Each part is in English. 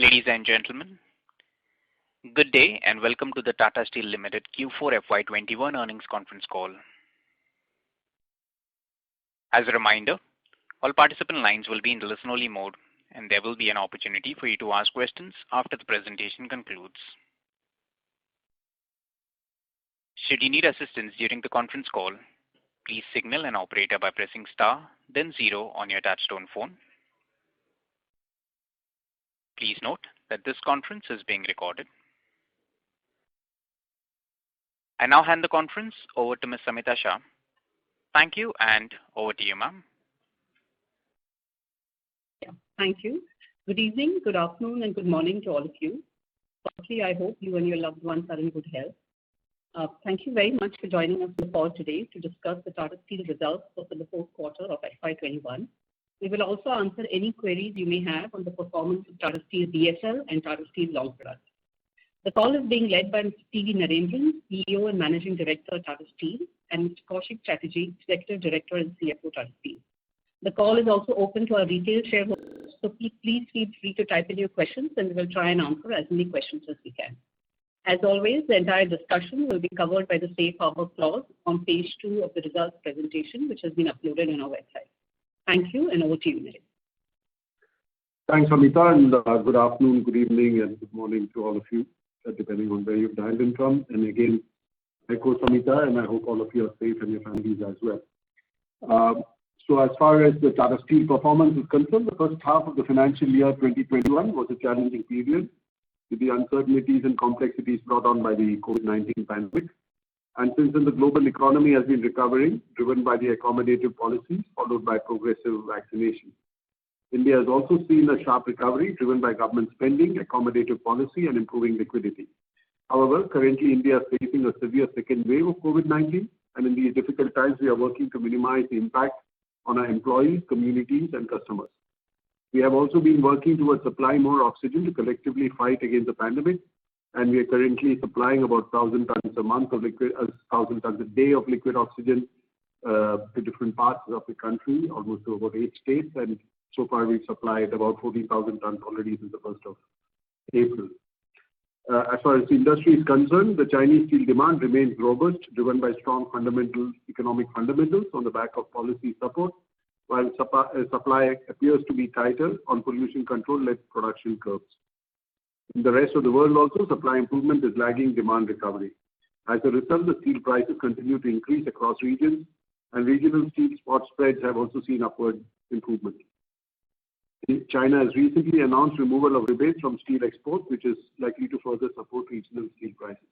Ladies and gentlemen, good day and welcome to the Tata Steel Limited Q4 FY 2021 earnings conference call. As a reminder, all participant lines will be in listen only mode and there will be an opportunity for you to ask questions after the presentation concludes. Should you need assistance during the conference call, please signal an operator by pressing star then zero on your touch-tone phone. Please note that this conference is being recorded. I now hand the conference over to Ms. Samita Shah. Thank you and over to you, ma'am. Thank you. Good evening, good afternoon, and good morning to all of you. Firstly, I hope you and your loved ones are in good health. Thank you very much for joining us on the call today to discuss the Tata Steel results for the fourth quarter of FY 2021. We will also answer any queries you may have on the performance of Tata Steel BSL and Tata Steel Long Products. The call is being led by T. V. Narendran, CEO and Managing Director at Tata Steel and Koushik Chatterjee, Executive Director and CFO, Tata Steel. The call is also open to our retail shareholders, please feel free to type in your questions and we will try and answer as many questions as we can. As always, the entire discussion will be covered by the safe harbor clause on page two of the results presentation which has been uploaded on our website. Thank you. Over to you, Narendran. Thanks, Samita. Good afternoon, good evening, and good morning to all of you, depending on where you've dialed in from. Again, I echo Samita and I hope all of you are safe and your families as well. As far as the Tata Steel performance is concerned, the first half of the financial year 2021 was a challenging period with the uncertainties and complexities brought on by the COVID-19 pandemic. Since then, the global economy has been recovering, driven by the accommodative policies followed by progressive vaccination. India has also seen a sharp recovery driven by government spending, accommodative policy, and improving liquidity. However, currently India is facing a severe second wave of COVID-19 and in these difficult times, we are working to minimize the impact on our employees, communities, and customers. We have also been working towards supplying more oxygen to collectively fight against the pandemic. We are currently supplying about 1,000 tons a day of liquid oxygen to different parts of the country, almost over eight states. So far we've supplied about 14,000 tons already since the 1st of April. As far as the industry is concerned, the Chinese steel demand remains robust, driven by strong economic fundamentals on the back of policy support, while supply appears to be tighter on pollution control-led production curves. In the rest of the world also, supply improvement is lagging demand recovery. As a result, the steel prices continue to increase across regions and regional steel spot spreads have also seen upward improvement. China has recently announced removal of rebates from steel exports, which is likely to further support regional steel prices.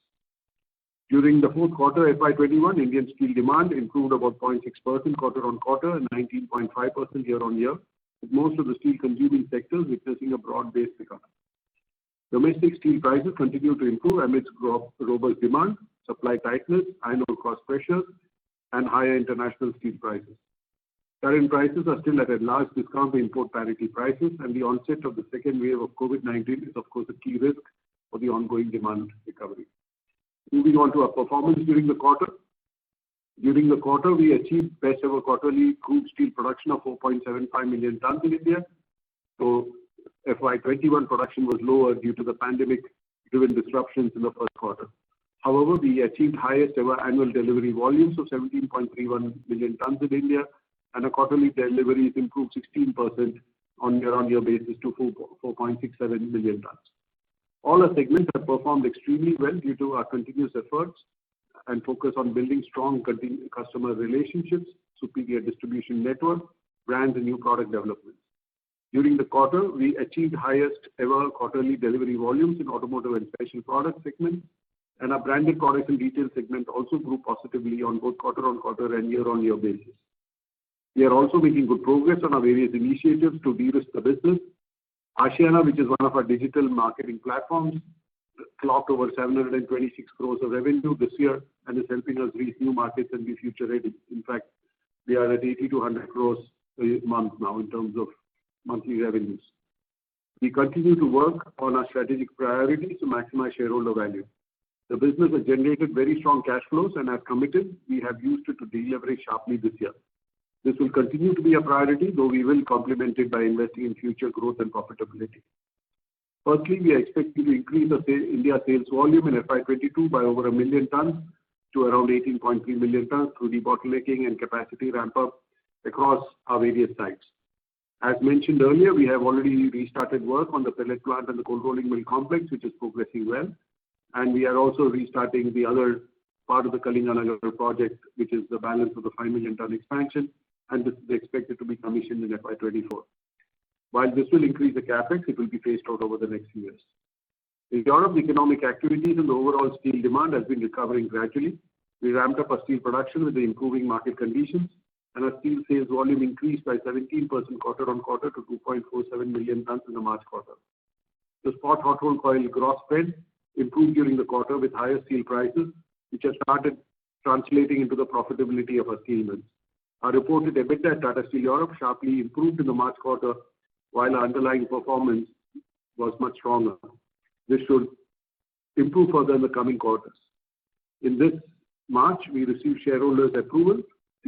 During the Q4 FY 2021, Indian steel demand improved about 0.6% quarter-on-quarter and 19.5% year-on-year, with most of the steel consuming sectors witnessing a broad-based recovery. Domestic steel prices continued to improve amidst robust demand, supply tightness, high raw cost pressures, and higher international steel prices. Current prices are still at a large discount to import parity prices and the onset of the second wave of COVID-19 is of course a key risk for the ongoing demand recovery. Moving on to our performance during the quarter. During the quarter, we achieved best-ever quarterly crude steel production of 4.75 million tonnes in India, though FY 2021 production was lower due to the pandemic-driven disruptions in the Q1. We achieved highest ever annual delivery volumes of 17.31 million tonnes in India and our quarterly deliveries improved 16% on year-on-year basis to 4.67 million tonnes. All our segments have performed extremely well due to our continuous efforts and focus on building strong customer relationships, superior distribution network, brands and new product developments. During the quarter, we achieved highest ever quarterly delivery volumes in Automotive and Special Products segment and our Branded Products and Retail segment also grew positively on both quarter-on-quarter and year-on-year basis. We are also making good progress on our various initiatives to de-risk the business. Aashiyana, which is one of our digital marketing platforms, clocked over 726 crores of revenue this year and is helping us reach new markets and be future ready. In fact, we are at 80-100 crores a month now in terms of monthly revenues. We continue to work on our strategic priorities to maximize shareholder value. The business has generated very strong cash flows and as committed, we have used it to de-leverage sharply this year. This will continue to be a priority, though we will complement it by investing in future growth and profitability. Firstly, we are expecting to increase the India sales volume in FY 2022 by over 1 million tonnes to around 18.3 million tonnes through debottlenecking and capacity ramp up across our various sites. As mentioned earlier, we have already restarted work on the pellet plant and the cold rolling mill complex, which is progressing well. We are also restarting the other part of the Kalinganagar project, which is the balance of the 5 million tonne expansion and this is expected to be commissioned in FY 2024. While this will increase the CapEx, it will be phased out over the next few years. In Europe, economic activities and overall steel demand has been recovering gradually. We ramped up our steel production with the improving market conditions and our steel sales volume increased by 17% quarter-on-quarter to 2.47 million tonnes in the March quarter. The spot hot rolled coil gross spread improved during the quarter with higher steel prices, which has started translating into the profitability of our steel plants. Our reported EBITDA at Tata Steel Europe sharply improved in the March quarter, while our underlying performance was much stronger. This should improve further in the coming quarters. In this March, we received shareholders' approval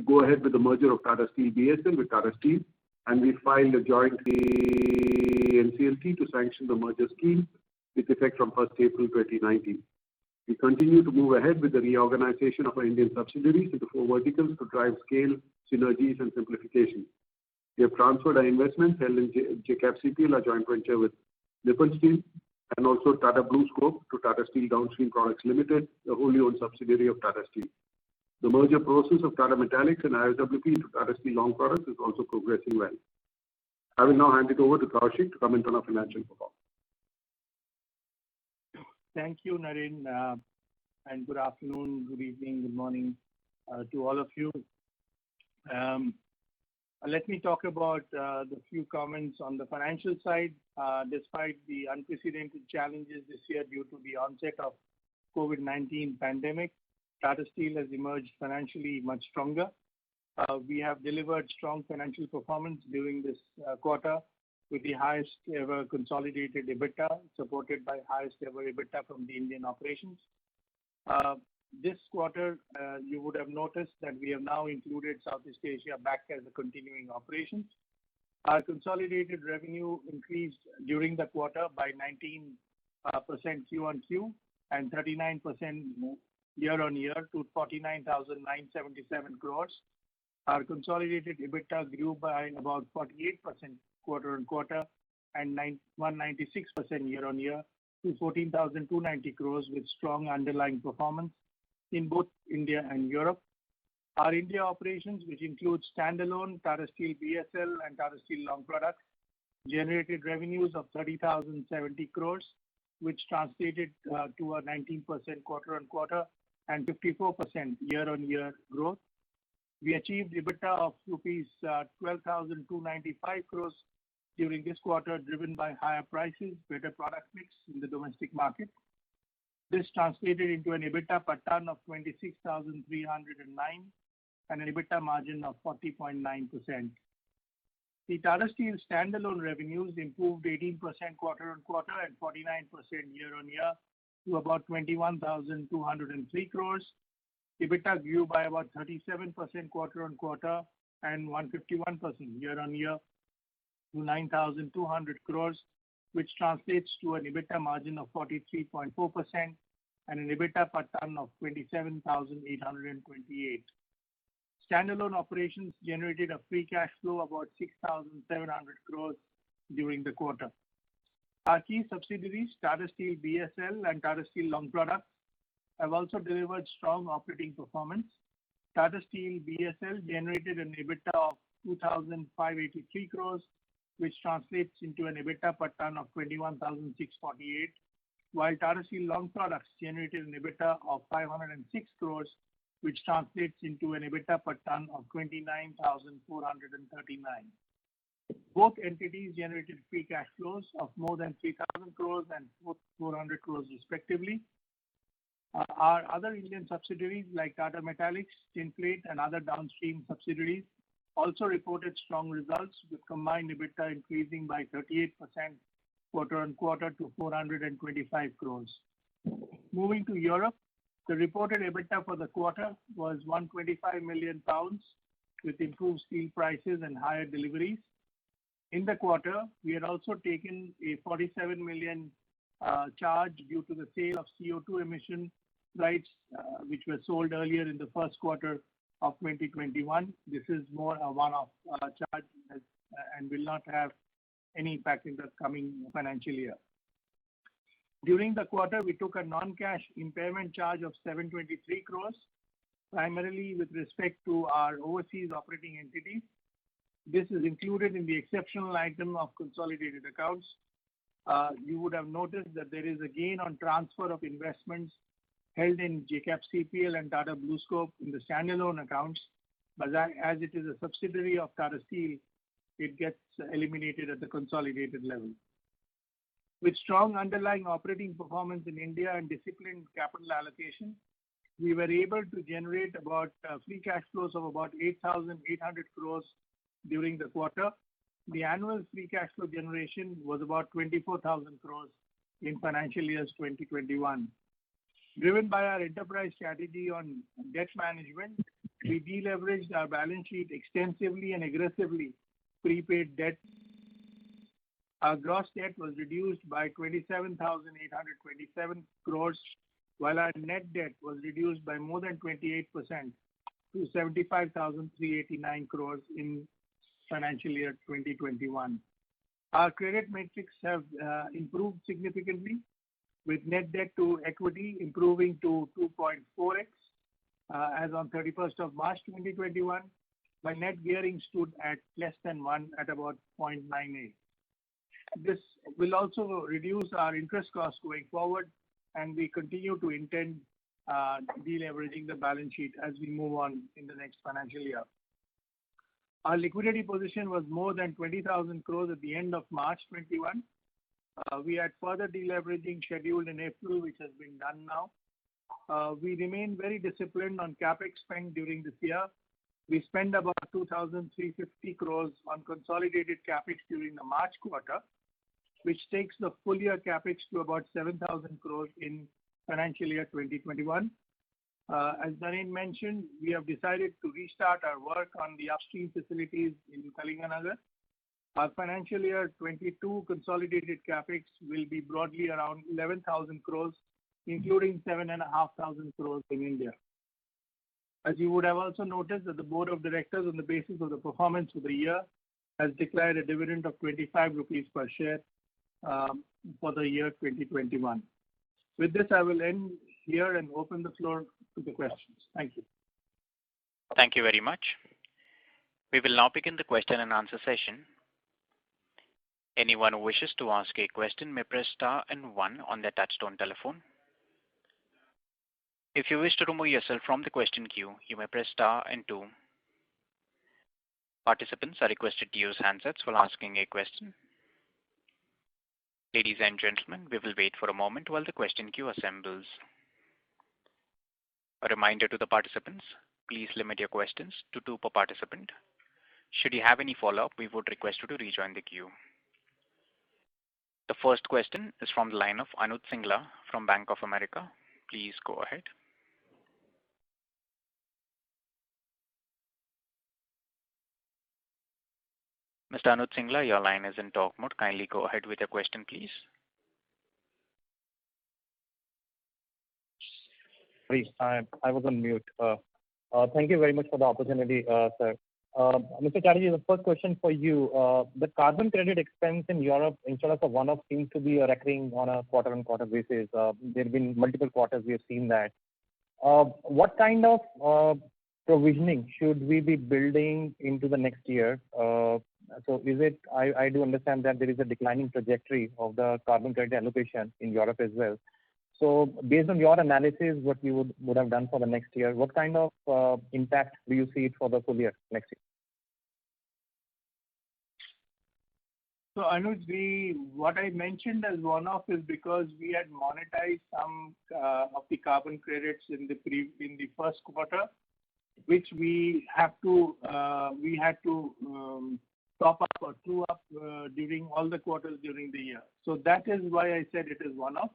to go ahead with the merger of Tata Steel BSL with Tata Steel, and we filed a joint to sanction the merger scheme with effect from April 1st 2019. We continue to move ahead with the reorganization of our Indian subsidiaries into four verticals to drive scale, synergies, and simplification. We have transferred our investments held in JCAPCPL, our joint venture with Nippon Steel, and also Tata BlueScope to Tata Steel Downstream Products Limited, a wholly owned subsidiary of Tata Steel. The merger process of Tata Metaliks and ISWP to Tata Steel Long Products is also progressing well. I will now hand it over to Koushik Chatterjee to comment on our financial performance. Thank you, Naren, and good afternoon, good evening, good morning to all of you. Let me talk about the few comments on the financial side. Despite the unprecedented challenges this year due to the onset of COVID-19 pandemic, Tata Steel has emerged financially much stronger. We have delivered strong financial performance during this quarter with the highest-ever consolidated EBITDA, supported by highest-ever EBITDA from the Indian operations. This quarter, you would have noticed that we have now included Southeast Asia back as a continuing operation. Our consolidated revenue increased during the quarter by 19% Q on Q, and 39% year on year to 49,977 crores. Our consolidated EBITDA grew by about 48% quarter on quarter and 196% year on year to 14,290 crores with strong underlying performance in both India and Europe. Our India operations, which includes standalone Tata Steel BSL and Tata Steel Long Products, generated revenues of 30,070 crore, which translated to a 19% quarter-on-quarter and 54% year-on-year growth. We achieved EBITDA of rupees 12,295 crore during this quarter, driven by higher prices, better product mix in the domestic market. This translated into an EBITDA per ton of 26,309 and an EBITDA margin of 40.9%. The Tata Steel standalone revenues improved 18% quarter-on-quarter and 49% year-on-year to about 21,203 crore. EBITDA grew by about 37% quarter-on-quarter and 151% year-on-year to 9,200 crore, which translates to an EBITDA margin of 43.4% and an EBITDA per ton of 27,828. Standalone operations generated a free cash flow about 6,700 crore during the quarter. Our key subsidiaries, Tata Steel BSL and Tata Steel Long Products, have also delivered strong operating performance. Tata Steel BSL generated an EBITDA of 2,583 crores, which translates into an EBITDA per ton of 21,648. Tata Steel Long Products generated an EBITDA of 506 crores, which translates into an EBITDA per ton of 29,439. Both entities generated free cash flows of more than 3,000 crores and 400 crores respectively. Our other Indian subsidiaries like Tata Metaliks, Tin Plate, and other downstream subsidiaries also reported strong results with combined EBITDA increasing by 38% quarter-on-quarter to 425 crores. Moving to Europe, the reported EBITDA for the quarter was £125 million with improved steel prices and higher deliveries. In the quarter, we had also taken a 47 million charge due to the sale of CO2 emission rights, which were sold earlier in the Q1 of 2021. This is more a one-off charge and will not have any impact in the coming financial year. During the quarter, we took a non-cash impairment charge of 723 crore, primarily with respect to our overseas operating entities. This is included in the exceptional item of consolidated accounts. You would have noticed that there is a gain on transfer of investments held in JCAPCPL and Tata BlueScope in the standalone accounts, as it is a subsidiary of Tata Steel, it gets eliminated at the consolidated level. With strong underlying operating performance in India and disciplined capital allocation, we were able to generate free cash flows of about 8,800 crore during the quarter. The annual free cash flow generation was about 24,000 crore in financial year 2021. Driven by our enterprise strategy on debt management, we deleveraged our balance sheet extensively and aggressively. Prepaid debt. Our gross debt was reduced by 27,827 crore, while our net debt was reduced by more than 28% to 75,389 crore in FY 2021. Our credit metrics have improved significantly with net debt to equity improving to 2.4x as on of March 31st 2021. My net gearing stood at less than one at about 0.98. This will also reduce our interest costs going forward, and we continue to intend deleveraging the balance sheet as we move on in the next financial year. Our liquidity position was more than 20,000 crore at the end of March 2021. We had further deleveraging scheduled in April, which has been done now. We remain very disciplined on CapEx spend during this year. We spent about 2,350 crore on consolidated CapEx during the March quarter. Which takes the full year CapEx to about 7,000 crore in FY 2021. As Narendran mentioned, we have decided to restart our work on the upstream facilities in Kalinganagar. Our financial year 2022 consolidated CapEx will be broadly around 11,000 crores, including 7,500 crores in India. As you would have also noticed that the board of directors, on the basis of the performance of the year, has declared a dividend of ₹25 per share for the year 2021. With this, I will end here and open the floor to the questions. Thank you. Thank you very much. We will now begin the question and answer session. Anyone who wishes to ask a question may press star and one on their touch-tone telephone. If you wish to remove yourself from the question queue, you may press star and two. Participants are requested to use handsets while asking a question. Ladies and gentlemen, we will wait for a moment while the question queue assembles. A reminder to the participants, please limit your questions to two per participant. Should you have any follow-up, we would request you to rejoin the queue. The first question is from the line of Anuj Singla from Bank of America. Please go ahead. Mr. Anuj Singla, your line is in talk mode. Kindly go ahead with your question, please. Sorry, I was on mute. Thank you very much for the opportunity, sir. Mr. Chatterjee, the first question for you. The carbon credit expense in Europe, instead of a one-off, seems to be a recurring on a quarter on quarter basis. There have been multiple quarters we have seen that. What kind of provisioning should we be building into the next year? I do understand that there is a declining trajectory of the carbon credit allocation in Europe as well. Based on your analysis, what you would have done for the next year, what kind of impact do you see it for the full year next year? Anuj, what I mentioned as one-off is because we had monetized some of the carbon credits in the Q1, which we had to top up or true up during all the quarters during the year. That is why I said it is one-off.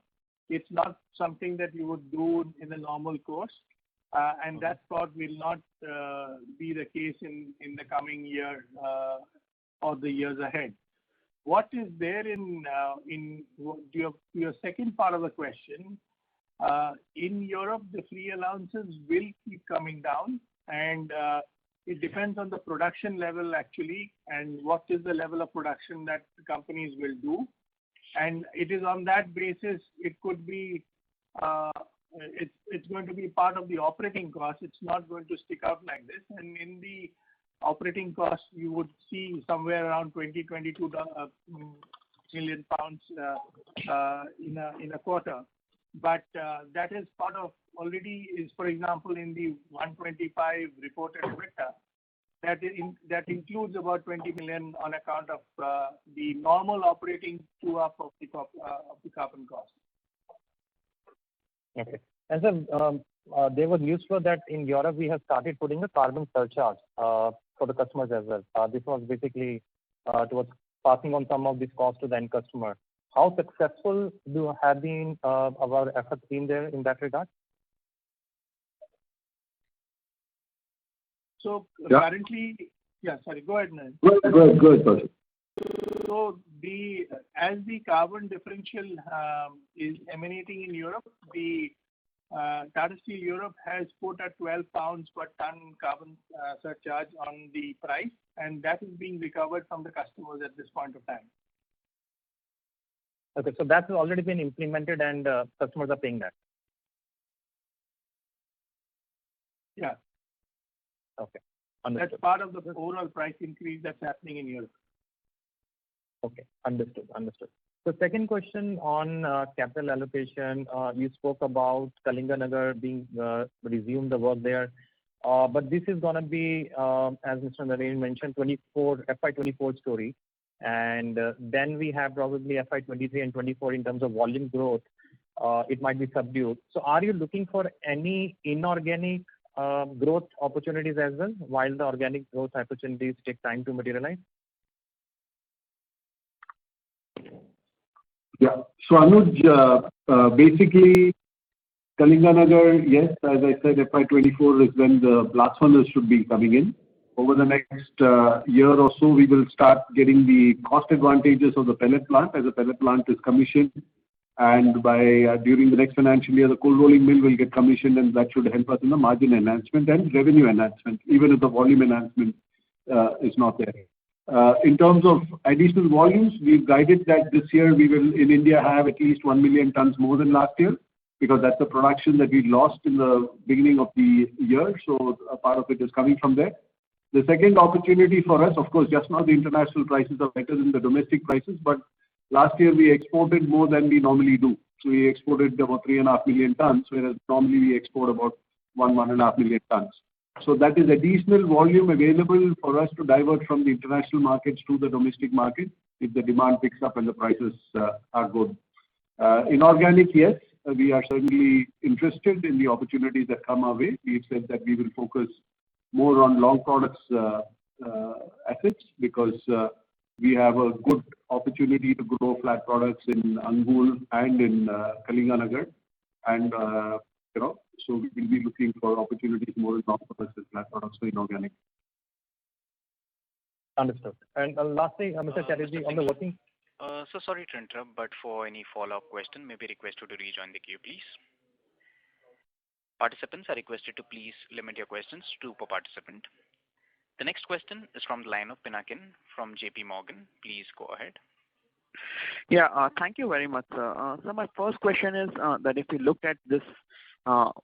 It's not something that we would do in a normal course, and that part will not be the case in the coming year or the years ahead. What is there in your second part of the question, in Europe, the free allowances will keep coming down, and it depends on the production level, actually, and what is the level of production that companies will do. It is on that basis, it's going to be part of the operating cost. It's not going to stick up like this. In the operating cost, you would see somewhere around 20 million-22 million pounds in a quarter. That is part of already is, for example, in the 125 reported EBITDA. That includes about 20 million on account of the normal operating true up of the carbon cost. Okay. Sir, there was news for that in Europe, we have started putting a carbon surcharge for the customers as well. This was basically towards passing on some of this cost to the end customer. How successful have our efforts been there in that regard? Yeah, sorry, go ahead, Naren. Go ahead, sir. As the carbon differential is emanating in Europe, Tata Steel Europe has put a 12 pounds per ton carbon surcharge on the price, and that is being recovered from the customers at this point in time. Okay, that has already been implemented and customers are paying that. Yeah. Okay. Understood. That's part of the overall price increase that's happening in Europe. Okay. Understood. Second question on capital allocation. You spoke about Kalinganagar, resumed the work there. This is going to be, as Mr. Narendran mentioned, FY 2024 story. We have probably FY 2023 and 2024 in terms of volume growth, it might be subdued. Are you looking for any inorganic growth opportunities as well while the organic growth opportunities take time to materialize? Yeah. Anuj, basically, Kalinganagar, yes, as I said, FY 2024 is when the blast furnace should be coming in. Over the next year or so, we will start getting the cost advantages of the pellet plant as the pellet plant is commissioned. During the next financial year, the cold rolling mill will get commissioned, and that should help us in the margin enhancement and revenue enhancement, even if the volume enhancement is not there. In terms of additional volumes, we've guided that this year we will, in India, have at least 1 million tonnes more than last year, because that's the production that we lost in the beginning of the year. A part of it is coming from there. The second opportunity for us, of course, just now the international prices are better than the domestic prices, but last year we exported more than we normally do. We exported about 3.5 million tonnes, whereas normally we export about one, 1.5 million tonnes. That is additional volume available for us to divert from the international markets to the domestic market if the demand picks up and the prices are good. Inorganic, yes. We are certainly interested in the opportunities that come our way. We've said that we will focus more on long products assets because we have a good opportunity to grow flat products in Angul and in Kalinganagar. We'll be looking for opportunities more in long products than flat products inorganic. Understood. Lastly, Mr. Chatterjee, on the working- The next question is from the line of Pinakin from J.P. Morgan. Please go ahead. Thank you very much. My first question is that if you look at this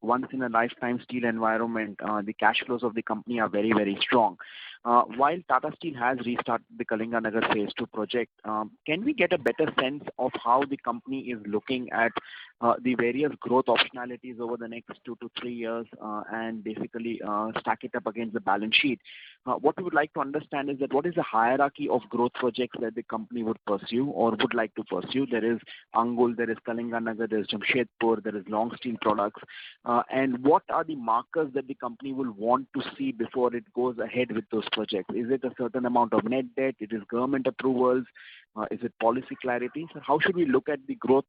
once in a lifetime steel environment, the cash flows of the company are very strong. While Tata Steel has restarted the Kalinganagar Phase II project, can we get a better sense of how the company is looking at the various growth optionalities over the next two to three years and basically stack it up against the balance sheet? What we would like to understand is that what is the hierarchy of growth projects that the company would pursue or would like to pursue. There is Angul, there is Kalinganagar, there's Jamshedpur, there is long steel products. What are the markers that the company will want to see before it goes ahead with those projects? Is it a certain amount of net debt? It is government approvals? Is it policy clarity? How should we look at the growth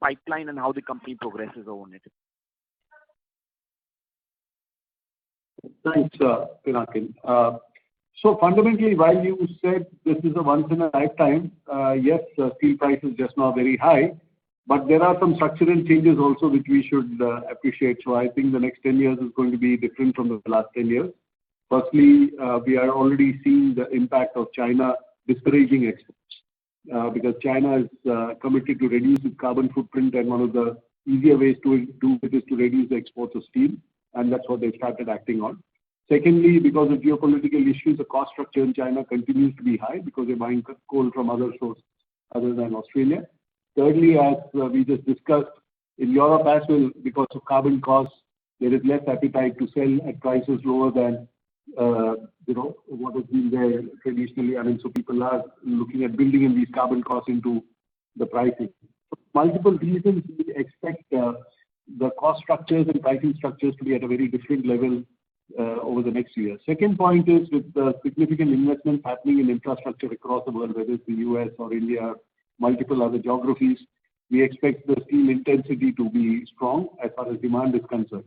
pipeline and how the company progresses on it? Thanks, Pinakin. Fundamentally, while you said this is a once in a lifetime, yes, steel price is just now very high, but there are some structural changes also which we should appreciate. I think the next 10 years is going to be different from the last 10 years. Firstly, we are already seeing the impact of China discouraging exports because China is committed to reduce its carbon footprint and one of the easier ways to do it is to reduce the exports of steel, and that's what they started acting on. Secondly, because of geopolitical issues, the cost structure in China continues to be high because they're buying coal from other source other than Australia. Thirdly, as we just discussed, in Europe as well, because of carbon costs, there is less appetite to sell at prices lower than what has been there traditionally. People are looking at building in these carbon costs into the pricing. For multiple reasons, we expect the cost structures and pricing structures to be at a very different level over the next year. Second point is with the significant investment happening in infrastructure across the world, whether it's the U.S. or India, multiple other geographies, we expect the steel intensity to be strong as far as demand is concerned.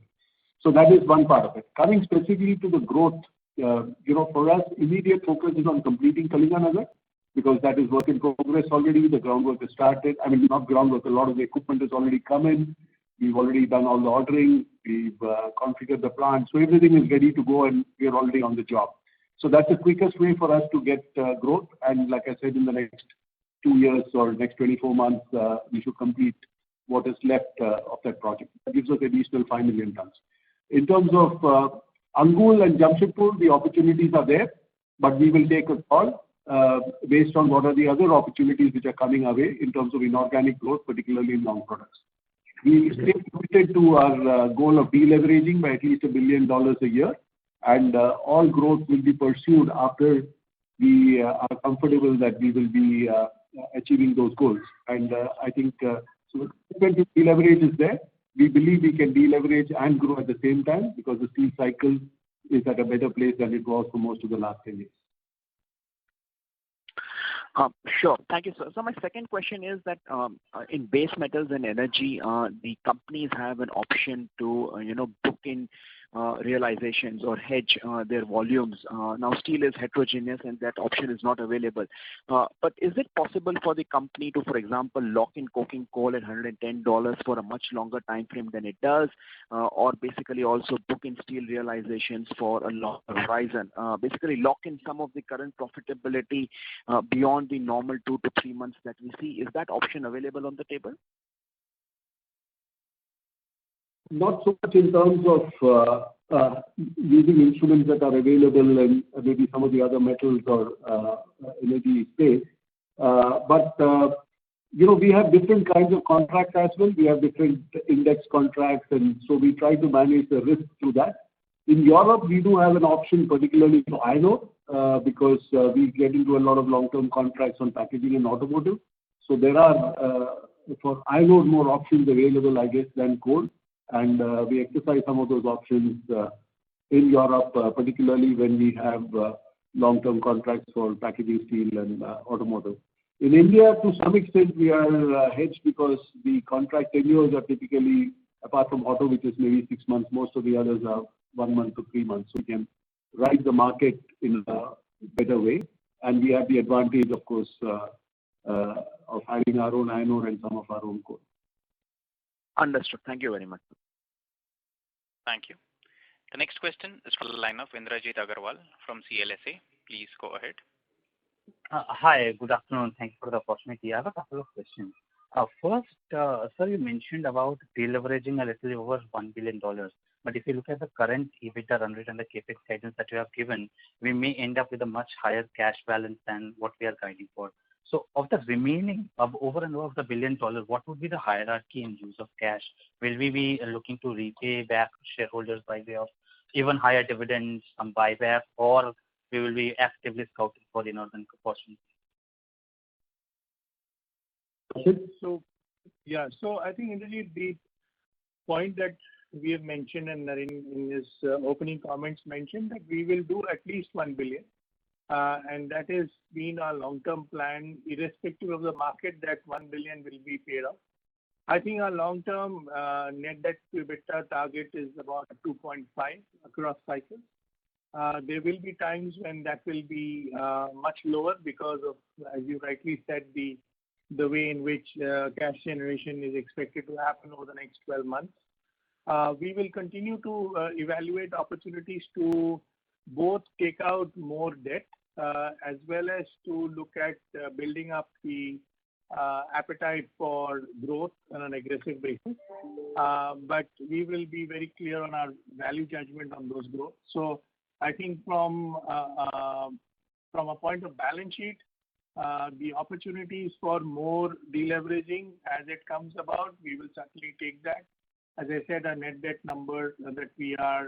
That is one part of it. Coming specifically to the growth, for us, immediate focus is on completing Kalinganagar because that is work in progress already. The groundwork is started. I mean, not groundwork. A lot of the equipment has already come in. We've already done all the ordering. We've configured the plant. Everything is ready to go, and we are already on the job. That's the quickest way for us to get growth. Like I said, in the next two years or next 24 months, we should complete what is left of that project. That gives us additional 5 million tons. In terms of Angul and Jamshedpur, the opportunities are there, but we will take a call based on what are the other opportunities which are coming our way in terms of inorganic growth, particularly in long products. We stay committed to our goal of de-leveraging by at least $1 billion a year, and all growth will be pursued after we are comfortable that we will be achieving those goals. I think the opportunity to de-leverage is there. We believe we can de-leverage and grow at the same time because the steel cycle is at a better place than it was for most of the last 10 years. Sure. Thank you, sir. My second question is that in base metals and energy, the companies have an option to book in realizations or hedge their volumes. Now, steel is heterogeneous, and that option is not available. Is it possible for the company to, for example, lock in coking coal at INR 110 for a much longer timeframe than it does or also book in steel realizations for a long horizon. Lock in some of the current profitability beyond the normal two-three months that we see. Is that option available on the table? Not so much in terms of using instruments that are available and maybe some of the other metals or energy space. We have different kinds of contracts as well. We have different index contracts, we try to manage the risk through that. In Europe, we do have an option, particularly for iron ore because we get into a lot of long-term contracts on packaging and automotive. There are for iron ore more options available, I guess, than coal, and we exercise some of those options in Europe particularly when we have long-term contracts for packaging steel and automotive. In India to some extent we are hedged because the contract tenures are typically apart from auto which is maybe six months, most of the others are one month to three months, so we can ride the market in a better way, and we have the advantage of course of having our own iron ore and some of our own coal. Understood. Thank you very much. Thank you. The next question is from the line of Indrajit Agarwal from CLSA. Please go ahead. Hi. Good afternoon. Thank you for the opportunity. I have a couple of questions. First, sir, you mentioned about de-leveraging a little over $1 billion. If you look at the current EBITDA run rate and the CapEx guidance that you have given, we may end up with a much higher cash balance than what we are guiding for. Of the remaining of over and above the $1 billion, what would be the hierarchy and use of cash? Will we be looking to repay back to shareholders by way of even higher dividends, some buyback, or we will be actively scouting for inorganic propositions? I think, Anuj, the point that we have mentioned and Naren in his opening comments mentioned, that we will do at least $1 billion. That has been our long-term plan. Irrespective of the market, that $1 billion will be paid off. I think our long-term net debt to EBITDA target is about 2.5 across cycles. There will be times when that will be much lower because of, as you rightly said, the way in which cash generation is expected to happen over the next 12 months. We will continue to evaluate opportunities to both take out more debt, as well as to look at building up the appetite for growth on an aggressive basis. We will be very clear on our value judgment on those growths. I think from a point of balance sheet, the opportunities for more deleveraging as it comes about, we will certainly take that. As I said, our net debt number that we are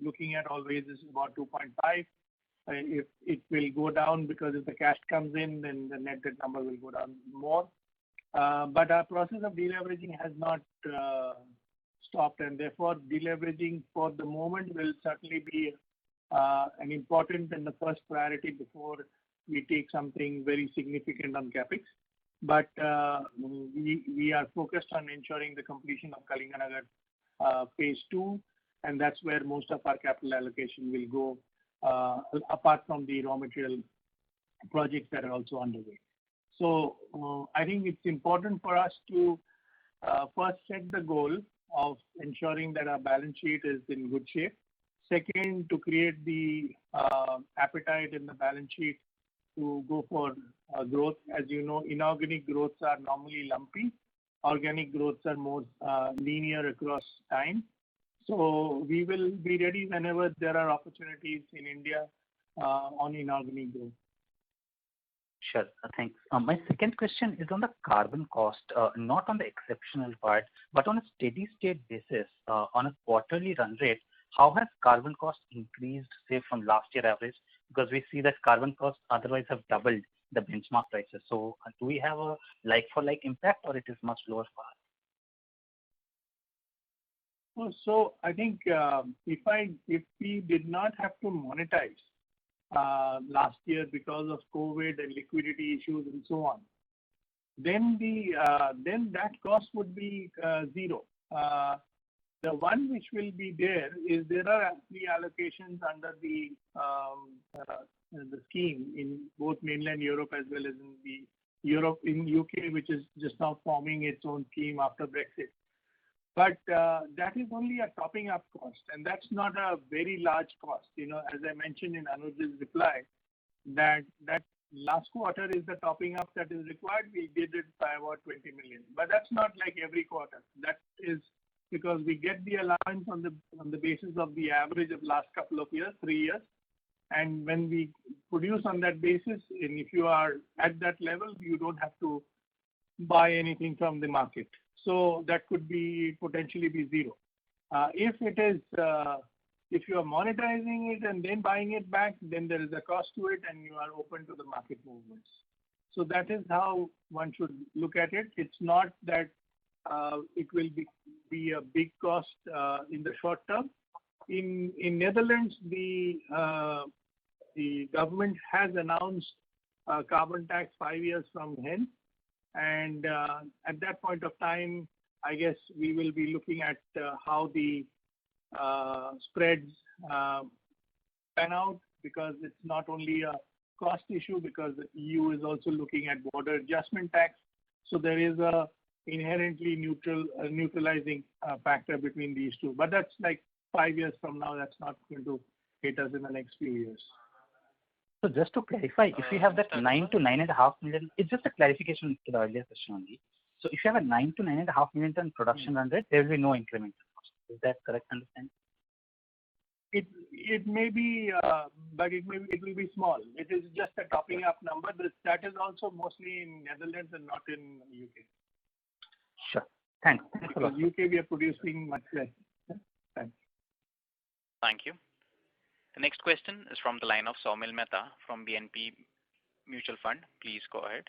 looking at always is about 2.5. It will go down because if the cash comes in, then the net debt number will go down more. Our process of deleveraging has not stopped, and therefore deleveraging for the moment will certainly be an important and the first priority before we take something very significant on CapEx. We are focused on ensuring the completion of Kalinganagar Phase II, and that's where most of our capital allocation will go, apart from the raw material projects that are also underway. I think it's important for us to first set the goal of ensuring that our balance sheet is in good shape. Second, to create the appetite in the balance sheet to go for growth. As you know, inorganic growths are normally lumpy. Organic growths are more linear across time. We will be ready whenever there are opportunities in India on inorganic growth. Sure. Thanks. My second question is on the carbon cost, not on the exceptional part, but on a steady state basis. On a quarterly run rate, how has carbon cost increased, say, from last year average? Because we see that carbon costs otherwise have doubled the benchmark prices. Do we have a like-for-like impact or it is much lower far? I think if we did not have to monetize last year because of COVID and liquidity issues and so on, then that cost would be zero. The one which will be there is there are actually allocations under the scheme in both mainland Europe as well as in the U.K., which is just now forming its own scheme after Brexit. That is only a topping up cost, and that's not a very large cost. As I mentioned in Anuj's reply, that last quarter is the topping up that is required. We did it by about $20 million. That's not every quarter. That is because we get the allowance on the basis of the average of last couple of years, three years. When we produce on that basis, and if you are at that level, you don't have to buy anything from the market. That could potentially be zero. If you are monetizing it and then buying it back, then there is a cost to it and you are open to the market movements. That is how one should look at it. It's not that it will be a big cost in the short term. In Netherlands, the government has announced a carbon tax five years from then, and at that point of time, I guess we will be looking at how the spreads pan out, because it's not only a cost issue because EU is also looking at border adjustment tax. There is a inherently neutralizing factor between these two. That's five years from now. That's not going to hit us in the next few years. Just to clarify, if you have that 9 - 9.5 million, it's just a clarification to the earlier question only. If you have a 9 - 9.5 million ton production run rate, there will be no incremental cost. Is that correct understanding? It may be, but it will be small. It is just a topping up number. That is also mostly in Netherlands and not in U.K. Sure. Thanks a lot. Because U.K. we are producing much less. Thanks. Thank you. The next question is from the line of Saumil Mehta from BNP Mutual Fund. Please go ahead.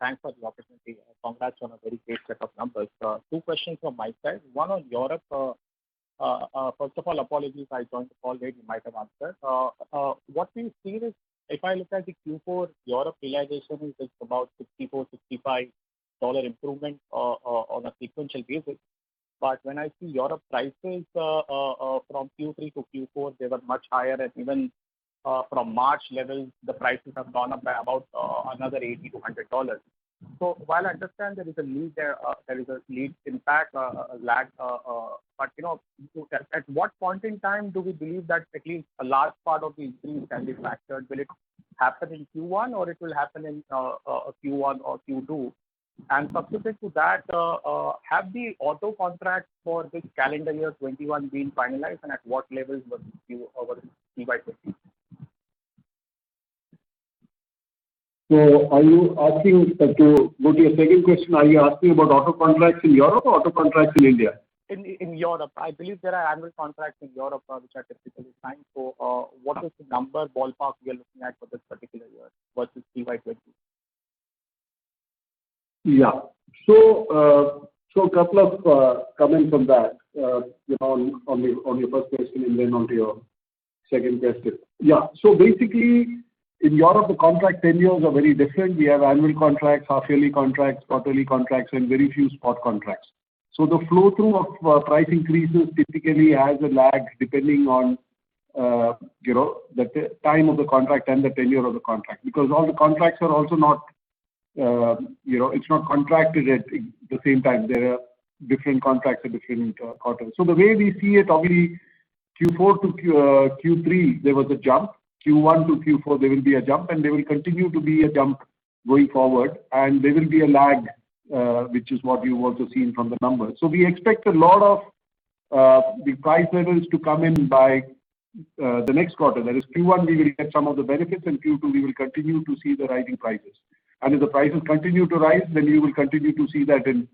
Thanks for the opportunity and congrats on a very great set of numbers. Two questions from my side. One on Europe. First of all, apologies, I joined the call late, you might have answered. What we see is if I look at the Q4, Europe realization is about $64, $65 improvement on a sequential basis. When I see Europe prices from Q3 - Q4, they were much higher, and even from March levels, the prices have gone up by about another $80-$100. While I understand there is a lead impact lag, but at what point in time do we believe that at least a large part of the increase can be factored? Will it happen in Q1 or Q2? Subsequent to that, have the auto contracts for this calendar year 2021 been finalized, and at what levels were CY 2020? To go to your second question, are you asking about auto contracts in Europe or auto contracts in India? In Europe. I believe there are annual contracts in Europe which are typically signed. What is the number ballpark we are looking at for this particular year versus CY 2020? A couple of comments on that, on your first question and then onto your second question. Basically, in Europe, the contract tenures are very different. We have annual contracts, half-yearly contracts, quarterly contracts, and very few spot contracts. The flow through of price increases typically has a lag depending on the time of the contract and the tenure of the contract. Because all the contracts are also not contracted at the same time. There are different contracts at different quarters. The way we see it, obviously Q4 - Q3, there was a jump, Q1 - Q4 there will be a jump, and there will continue to be a jump going forward. There will be a lag which is what you've also seen from the numbers. We expect a lot of the price levels to come in by the next quarter. That is Q1 we will get some of the benefits, in Q2 we will continue to see the rising prices. If the prices continue to rise, then we will continue to see that in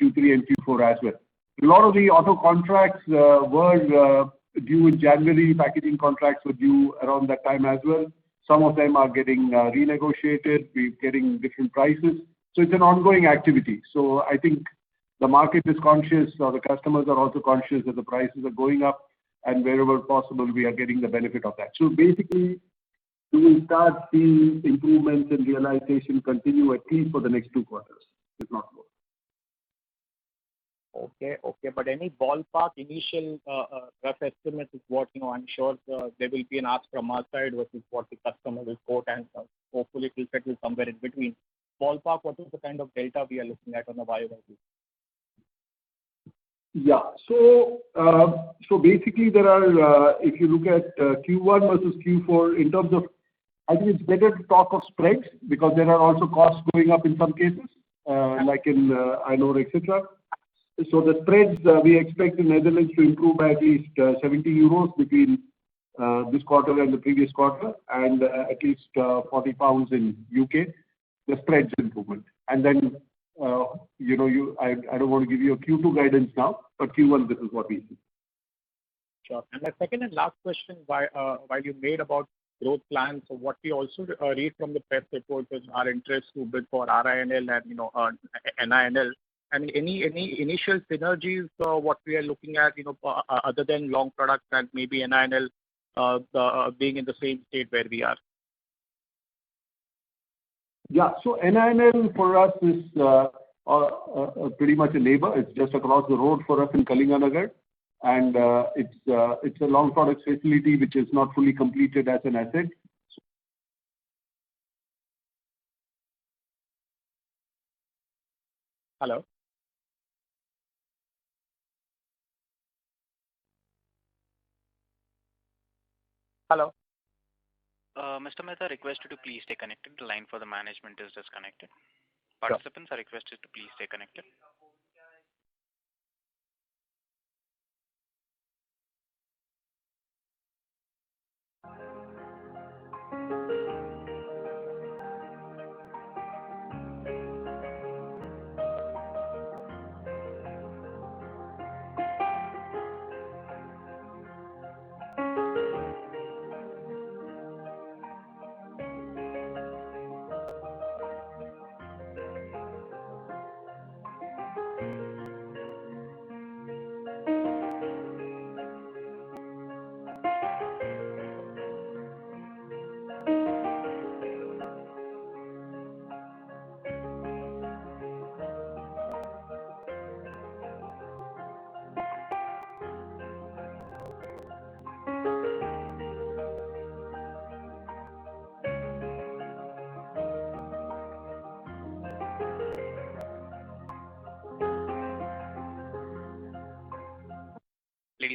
Q3 and Q4 as well. A lot of the auto contracts were due in January. Packaging contracts were due around that time as well. Some of them are getting renegotiated. We're getting different prices. It's an ongoing activity. I think the market is conscious, the customers are also conscious that the prices are going up, and wherever possible, we are getting the benefit of that. Basically, we will start seeing improvements in realization continue at least for the next two quarters, if not more. Okay. Any ballpark initial rough estimate of what, I am sure there will be an ask from our side, versus what the customer will quote, and hopefully it will settle somewhere in between. Ballpark, what is the kind of delta we are looking at on the bio-based? Yeah. Basically, if you look at Q1 versus Q4, I think it's better to talk of spreads, because there are also costs going up in some cases, like in iron ore, et cetera. The spreads we expect in Netherlands to improve by at least €70 between this quarter and the previous quarter, and at least £40 in U.K., the spreads improvement. I don't want to give you a Q2 guidance now, but Q1, this is what we see. Sure. My second and last question, while you made about growth plans or what we also read from the press report was RInter is to bid for RINL and NINL. Any initial synergies, what we are looking at, other than long products and maybe NINL being in the same state where we are? Yeah. NINL for us is pretty much a lever. It's just across the road for us in Kalinganagar. It's a long products facility which is not fully completed as an asset. Hello? Hello? Mr. Mehta, I request you to please stay connected. The line for the management is disconnected. Sure. Participants are requested to please stay connected.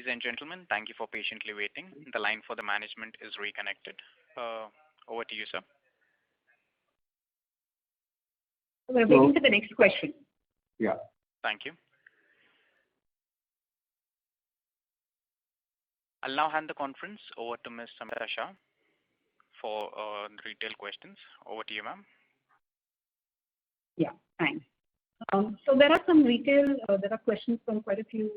Ladies and gentlemen, thank you for patiently waiting. The line for the management is reconnected. Over to you, sir. We're waiting for the next question. Yeah. Thank you. I'll now hand the conference over to Ms. Samita Shah for retail questions. Over to you, ma'am. Yeah, thanks. There are questions from quite a few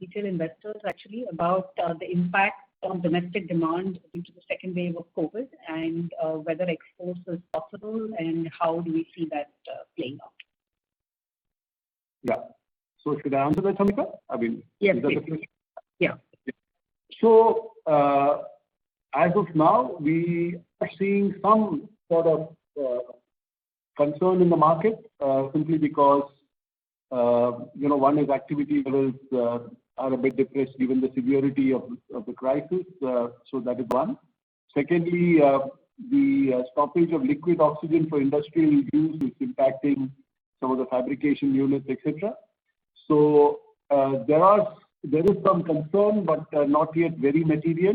retail investors actually, about the impact on domestic demand due to the second wave of COVID and whether exports is possible and how do we see that playing out? Yeah. Should I answer that, Samita? Yes, please. is that the question? Yeah. As of now, we are seeing some sort of concern in the market. Simply because, one is activity levels are a bit depressed given the severity of the crisis. That is one. Secondly, the stoppage of liquid oxygen for industrial use is impacting some of the fabrication units, et cetera. There is some concern, but not yet very material.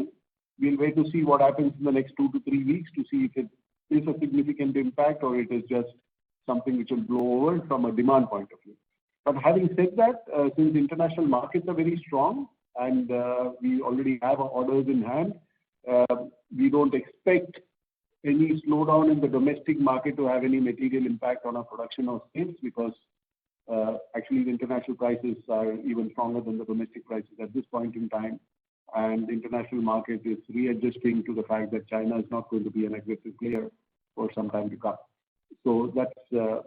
We'll wait to see what happens in the next two - three weeks to see if it is a significant impact or it is just something which will blow over from a demand point of view. Having said that, since international markets are very strong and we already have our orders in hand, we don't expect any slowdown in the domestic market to have any material impact on our production or sales because, actually, the international prices are even stronger than the domestic prices at this point in time, and the international market is readjusting to the fact that China is not going to be an aggressive player for some time to come. That's the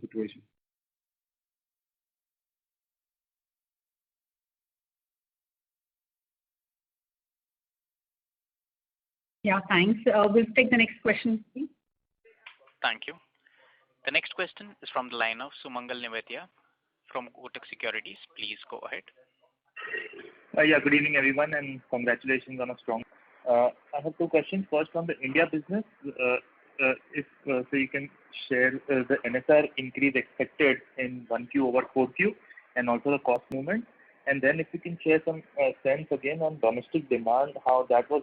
situation. Yeah, thanks. We'll take the next question, please. Thank you. The next question is from the line of Sumangal Nevatia from Kotak Securities. Please go ahead. Yeah. Good evening, everyone, and congratulations on a strong. I have two questions. First, on the India business, if you can share the NSR increase expected in 1Q over 4Q, also the cost movement. Then if you can share some sense again on domestic demand, how that was,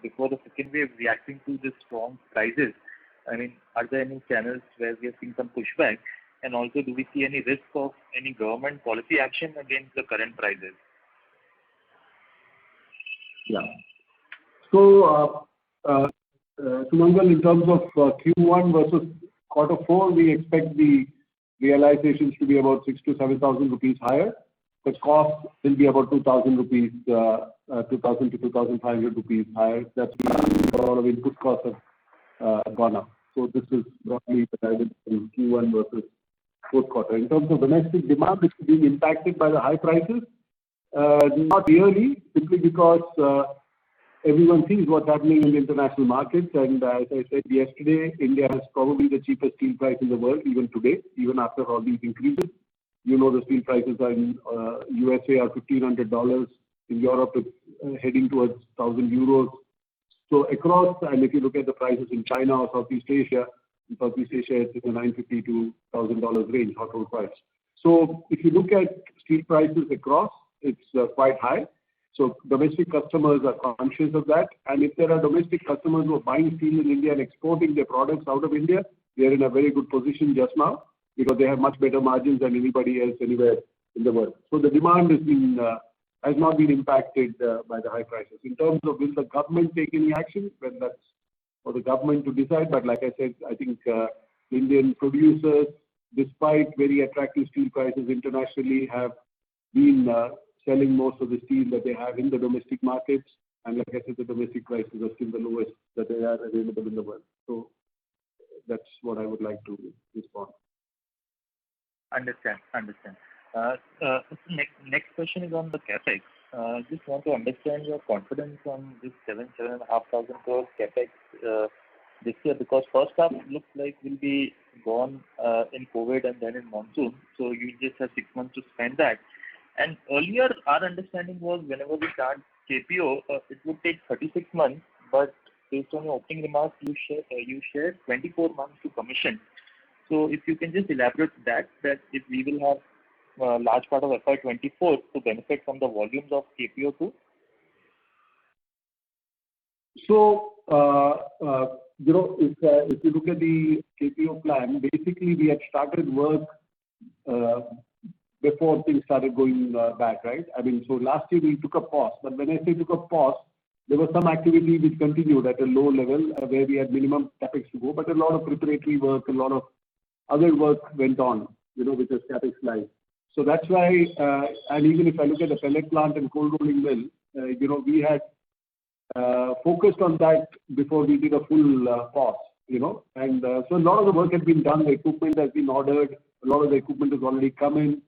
before the second wave, reacting to the strong prices. Are there any channels where we are seeing some pushback? Also, do we see any risk of any government policy action against the current prices? Yeah. Sumangal, in terms of Q1 versus Q4, we expect the realizations to be about 6,000-7,000 rupees higher. The cost will be about 2,000-2,500 rupees higher. That's mainly because all of input costs have gone up. This is broadly the guidance in Q1 versus fourth quarter. In terms of domestic demand, which is being impacted by the high prices. Not really, simply because everyone sees what's happening in the international markets. As I said yesterday, India has probably the cheapest steel price in the world, even today, even after all these increases. You know the steel prices in U.S.A. are $1,500. In Europe, it's heading towards 1,000 euros. Across, and if you look at the prices in China or Southeast Asia, in Southeast Asia it's in the $950-$1,000 range, hot rolled prices. If you look at steel prices across, it's quite high. Domestic customers are conscious of that. If there are domestic customers who are buying steel in India and exporting their products out of India, they're in a very good position just now because they have much better margins than anybody else anywhere in the world. The demand has not been impacted by the high prices. In terms of will the government take any action? Well, that's for the government to decide. Like I said, I think Indian producers, despite very attractive steel prices internationally, have been selling most of the steel that they have in the domestic markets. Like I said, the domestic prices are still the lowest that they are available in the world. That's what I would like to respond. Understand. Next question is on the CapEx. Just want to understand your confidence on this 7,000 crore, 7,500 crore CapEx this year. First half looks like will be gone in COVID and then in monsoon. You just have six months to spend that. Earlier, our understanding was whenever we start KPO2, it would take 36 months. Based on your opening remarks, you shared 24 months to commission. If you can just elaborate that if we will have a large part of FY 2024 to benefit from the volumes of KPO2? If you look at the KPO plan, basically we had started work before things started going bad. Last year we took a pause. When I say took a pause, there was some activity which continued at a low level where we had minimum CapEx to do, but a lot of preparatory work, a lot of other work went on with this CapEx line. That's why, even if I look at the pellet plant and cold rolling mill, we had focused on that before we took a full pause. A lot of the work has been done. The equipment has been ordered. A lot of the equipment has already come in.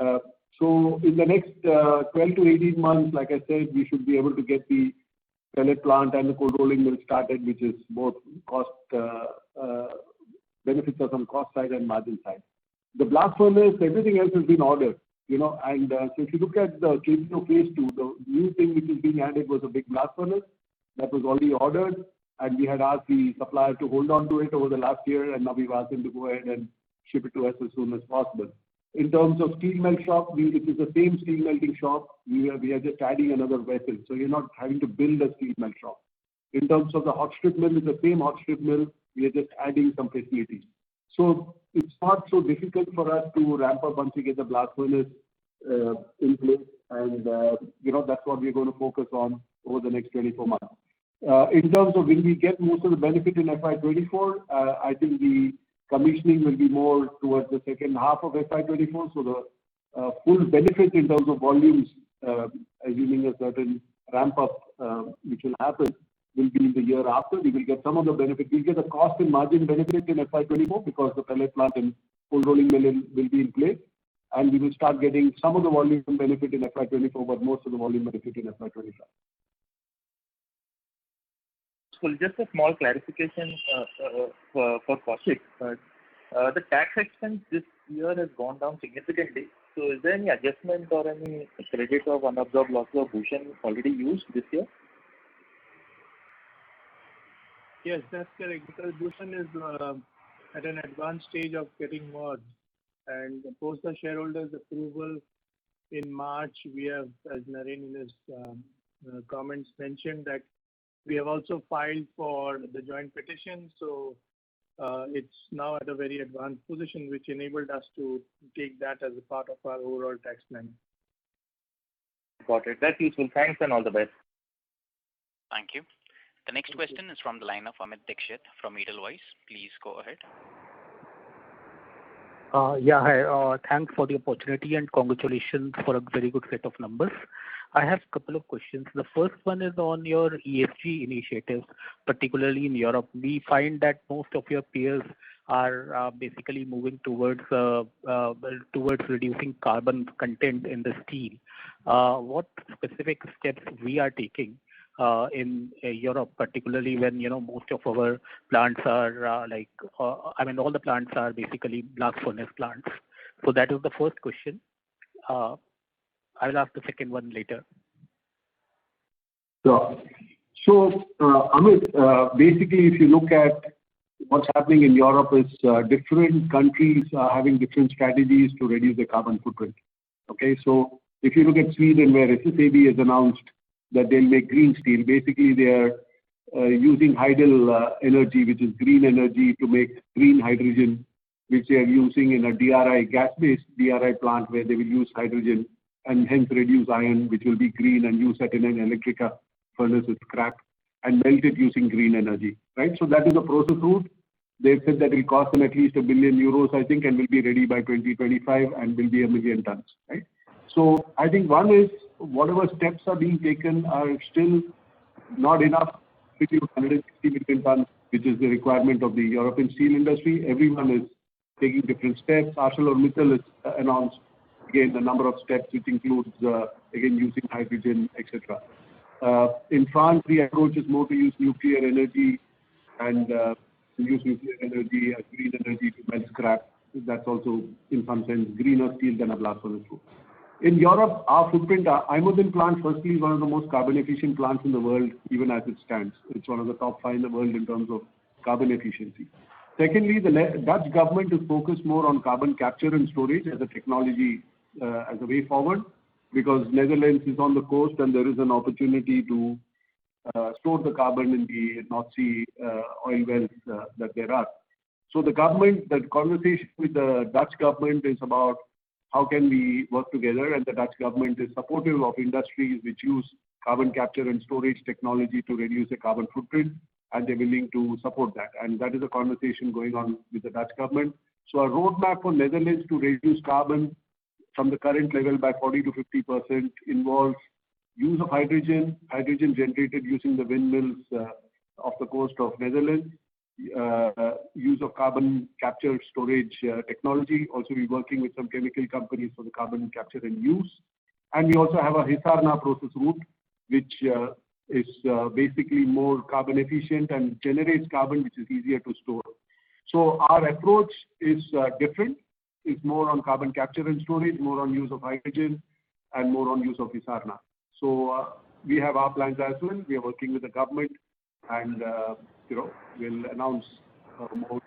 In the next 12 - 18 months, like I said, we should be able to get the pellet plant and the cold rolling mill started, which benefits us on cost side and margin side. The blast furnace, everything else has been ordered. If you look at the KPO Phase II, the new thing which is being added was a big blast furnace. That was already ordered, and we had asked the supplier to hold on to it over the last year, and now we've asked them to go ahead and ship it to us as soon as possible. In terms of steel melt shop, it is the same steel melt shop. We are just adding another vessel. You're not having to build a steel melt shop. In terms of the hot strip mill, it's the same hot strip mill. We are just adding some facilities. It's not so difficult for us to ramp up once we get the blast furnace in place. That's what we're going to focus on over the next 24 months. In terms of will we get most of the benefit in FY 2024, I think the commissioning will be more towards the second half of FY 2024. The full benefit in terms of volumes, assuming a certain ramp-up, which will happen, will be in the year after. We will get some of the benefit. We'll get the cost and margin benefit in FY 2024 because the pellet plant and cold rolling mill will be in place, and we will start getting some of the volume benefit in FY 2024, but most of the volume benefit in FY 2025. Just a small clarification for Koushik. The tax expense this year has gone down significantly. Is there any adjustment or any credit of unabsorbed loss of Bhushan already used this year? Yes, that's correct, because Bhushan is at an advanced stage of getting merged. Post the shareholders' approval in March, we have, as Naren in his comments mentioned, that we have also filed for the joint petition. It's now at a very advanced position, which enabled us to take that as a part of our overall tax plan. Got it. That's useful. Thanks and all the best. The next question is from the line of Amit Dixit from Edelweiss. Please go ahead. Yeah. Hi. Thanks for the opportunity, and congratulations for a very good set of numbers. I have a couple of questions. The first one is on your ESG initiatives, particularly in Europe. We find that most of your peers are basically moving towards reducing carbon content in the steel. What specific steps we are taking in Europe, particularly when all the plants are basically blast furnace plants? That is the first question. I will ask the second one later. Sure. Amit, basically, if you look at what's happening in Europe, it's different countries are having different strategies to reduce their carbon footprint. Okay? If you look at Sweden, where SSAB has announced that they'll make green steel. Basically, they are using hydel energy, which is green energy, to make green hydrogen, which they are using in a gas-based DRI plant, where they will use hydrogen and hence reduce iron, which will be green and use that in an electric furnace with scrap and melt it using green energy. Right? That is a process route. They have said that will cost them at least 1 billion euros, I think, and will be ready by 2025 and will be 1 million tonnes. Right? I think, one is, whatever steps are being taken are still not enough to achieve 150 million tonnes, which is the requirement of the European steel industry. Everyone is taking different steps. ArcelorMittal has announced, again, a number of steps, which includes, again, using hydrogen, et cetera. In France, the approach is more to use nuclear energy and to use nuclear energy as green energy to melt scrap. That's also, in some sense, greener steel than a blast furnace route. In Europe, our footprint, our IJmuiden plant, firstly, is one of the most carbon efficient plants in the world, even as it stands. It's one of the top five in the world in terms of carbon efficiency. The Dutch government is focused more on carbon capture and storage as a technology as a way forward, because Netherlands is on the coast and there is an opportunity to store the carbon in the North Sea oil wells that there are. The conversation with the Dutch government is about how can we work together, and the Dutch government is supportive of industries which use carbon capture and storage technology to reduce their carbon footprint, and they're willing to support that. That is a conversation going on with the Dutch government. Our roadmap for Netherlands to reduce carbon from the current level by 40%-50% involves use of hydrogen generated using the windmills off the coast of Netherlands, use of carbon capture storage technology. We're working with some chemical companies for the carbon capture and use. We also have a HIsarna process route, which is basically more carbon efficient and generates carbon, which is easier to store. Our approach is different. It's more on carbon capture and storage, more on use of hydrogen, and more on use of HIsarna. We have our plans as well. We are working with the government, and we'll announce a more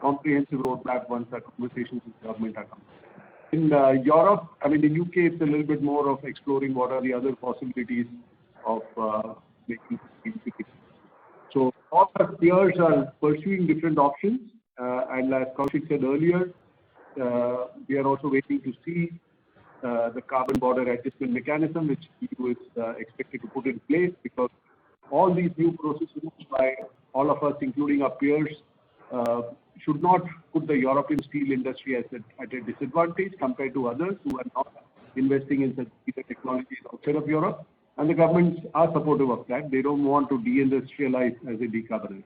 comprehensive roadmap once our conversations with the government are complete. In Europe, the U.K., it's a little bit more of exploring what are the other possibilities of making steel. All our peers are pursuing different options. As Koushik said earlier, we are also waiting to see the Carbon Border Adjustment Mechanism, which EU is expected to put in place. All these new process routes by all of us, including our peers, should not put the European steel industry at a disadvantage compared to others who are not investing in such greener technologies outside of Europe. The governments are supportive of that. They don't want to deindustrialize as they decarbonize.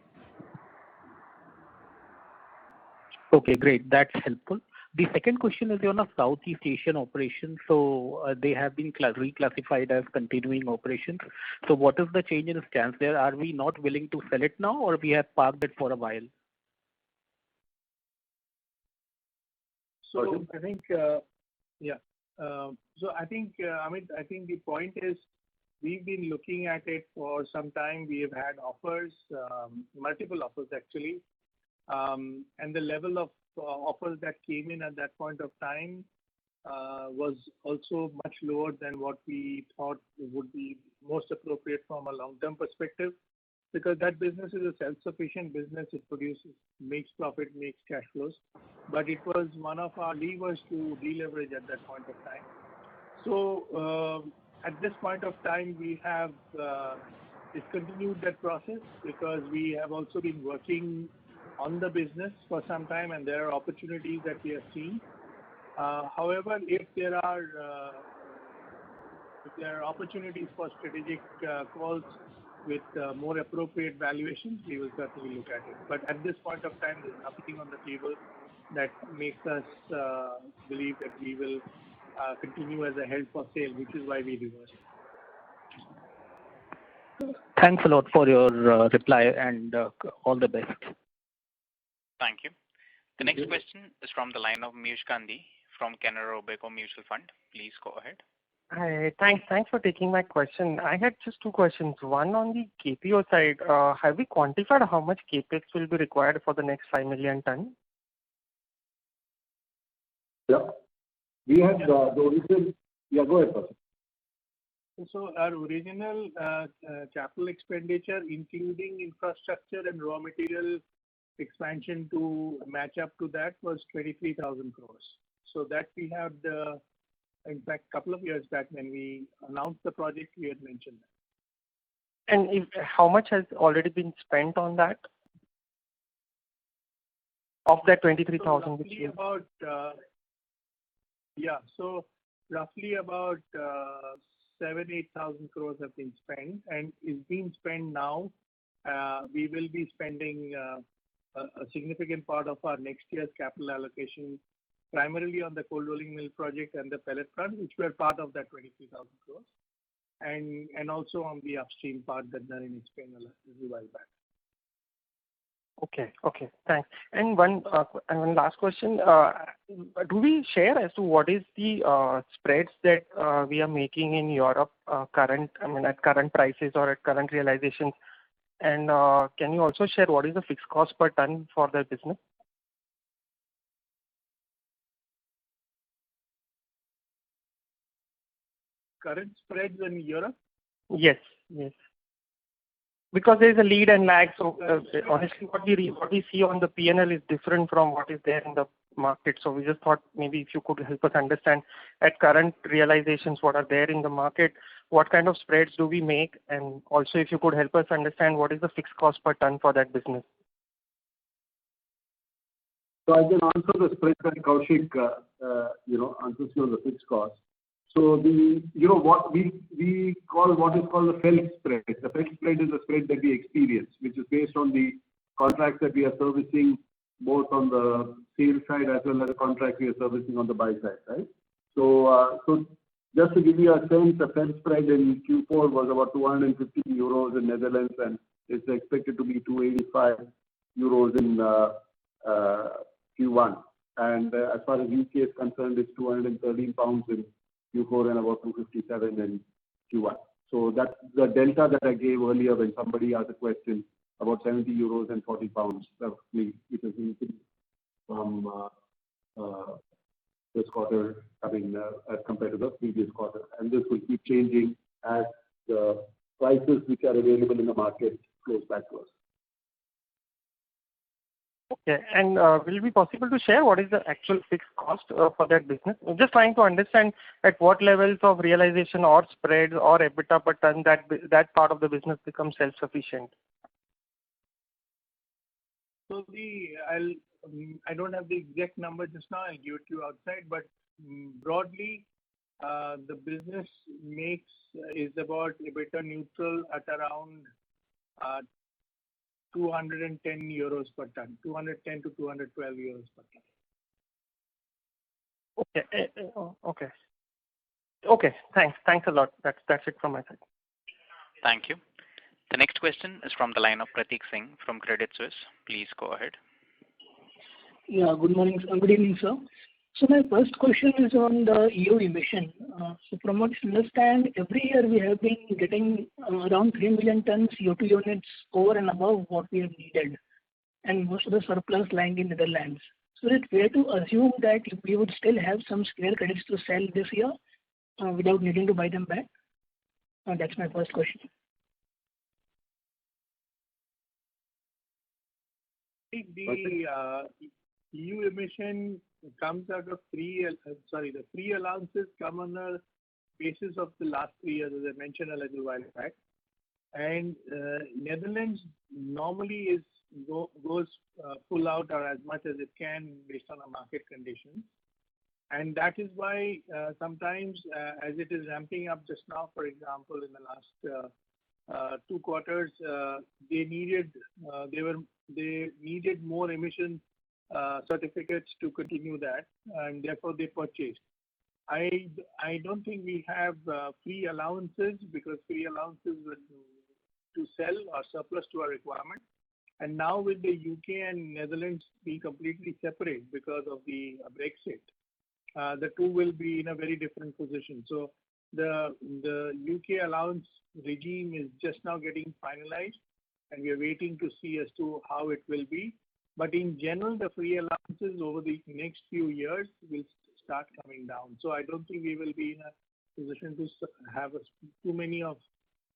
Okay, great. That is helpful. The second question is on our Southeast Asian operations. They have been reclassified as continuing operations. What is the change in stance there? Are we not willing to sell it now, or we have parked it for a while? Pardon. Yeah. I think, Amit, I think the point is we've been looking at it for some time. We have had offers, multiple offers actually. The level of offers that came in at that point of time was also much lower than what we thought would be most appropriate from a long-term perspective, because that business is a self-sufficient business. It makes profit, makes cash flows. It was one of our levers to deleverage at that point of time. At this point of time, we have discontinued that process because we have also been working on the business for some time, and there are opportunities that we have seen. However, if there are opportunities for strategic calls with more appropriate valuations, we will certainly look at it. At this point of time, there's nothing on the table that makes us believe that we will continue as a hold for sale, which is why we reversed it. Thanks a lot for your reply, and all the best. Thank you. The next question is from the line of Miyush Gandhi from Canara Robeco Mutual Fund. Please go ahead. Hi. Thanks for taking my question. I had just two questions. One on the KPO side. Have we quantified how much CapEx will be required for the next 5 million tonne? Yeah. We have the original Yeah, go ahead, sir. Our original capital expenditure, including infrastructure and raw material expansion to match up to that was 23,000 crores. In fact, couple of years back when we announced the project, we had mentioned that. How much has already been spent on that, of that 23,000 which you-? Yeah. Roughly about 7,000 crores-8,000 crores have been spent and is being spent now. We will be spending a significant part of our next year's capital allocation primarily on the cold rolling mill project and the pellet plant, which were part of that 23,000 crores, and also on the upstream part that T. V. Narendran explained a little while back. Okay. Thanks. One last question. Do we share as to what is the spreads that we are making in Europe at current prices or at current realizations? Can you also share what is the fixed cost per ton for that business? Current spreads in Europe? Yes. There's a lead and lag, honestly what we see on the P&L is different from what is there in the market. We just thought maybe if you could help us understand at current realizations what are there in the market, what kind of spreads do we make, and also if you could help us understand what is the fixed cost per ton for that business. I can answer the spread then Koushik answers you on the fixed cost. The felt spread is a spread that we experience, which is based on the contracts that we are servicing, both on the sales side as well as the contract we are servicing on the buy side. Just to give you a sense, the felt spread in Q4 was about 215 euros in Netherlands, and it's expected to be 285 euros in Q1. As far as U.K. is concerned, it's 213 pounds in Q4 and about 257 in Q1. That's the delta that I gave earlier when somebody asked a question about 70 euros and 40 pounds, roughly from this quarter having as compared to the previous quarter. This will keep changing as the prices which are available in the market goes backwards. Okay. Will it be possible to share what is the actual fixed cost for that business? I am just trying to understand at what levels of realization or spreads or EBITDA per ton that part of the business becomes self-sufficient. I don't have the exact number just now. I'll give it to you outside. Broadly, the business is about EBITDA neutral at around €210 per ton, €210 - €212 per ton. Okay. Thanks a lot. That's it from my side. Thank you. The next question is from the line of Prateek Singh from Credit Suisse. Please go ahead. Yeah. Good evening, sir. My first question is on the EU emission. From what you understand, every year we have been getting around 3 million tons CO2 units over and above what we have needed, and most of the surplus lying in Netherlands. Is it fair to assume that we would still have some spare credits to sell this year without needing to buy them back? That's my first question. The free allowances come on a basis of the last three years, as I mentioned a little while back. Netherlands normally pulls out as much as it can based on the market condition. That is why sometimes, as it is ramping up just now, for example, in the last Q2, they needed more emission certificates to continue that, and therefore they purchased. I don't think we have free allowances, because free allowances to sell are surplus to our requirement. Now with the U.K. and Netherlands being completely separate because of the Brexit, the two will be in a very different position. The U.K. allowance regime is just now getting finalized, and we are waiting to see as to how it will be. In general, the free allowances over the next few years will start coming down. I don't think we will be in a position to have too many of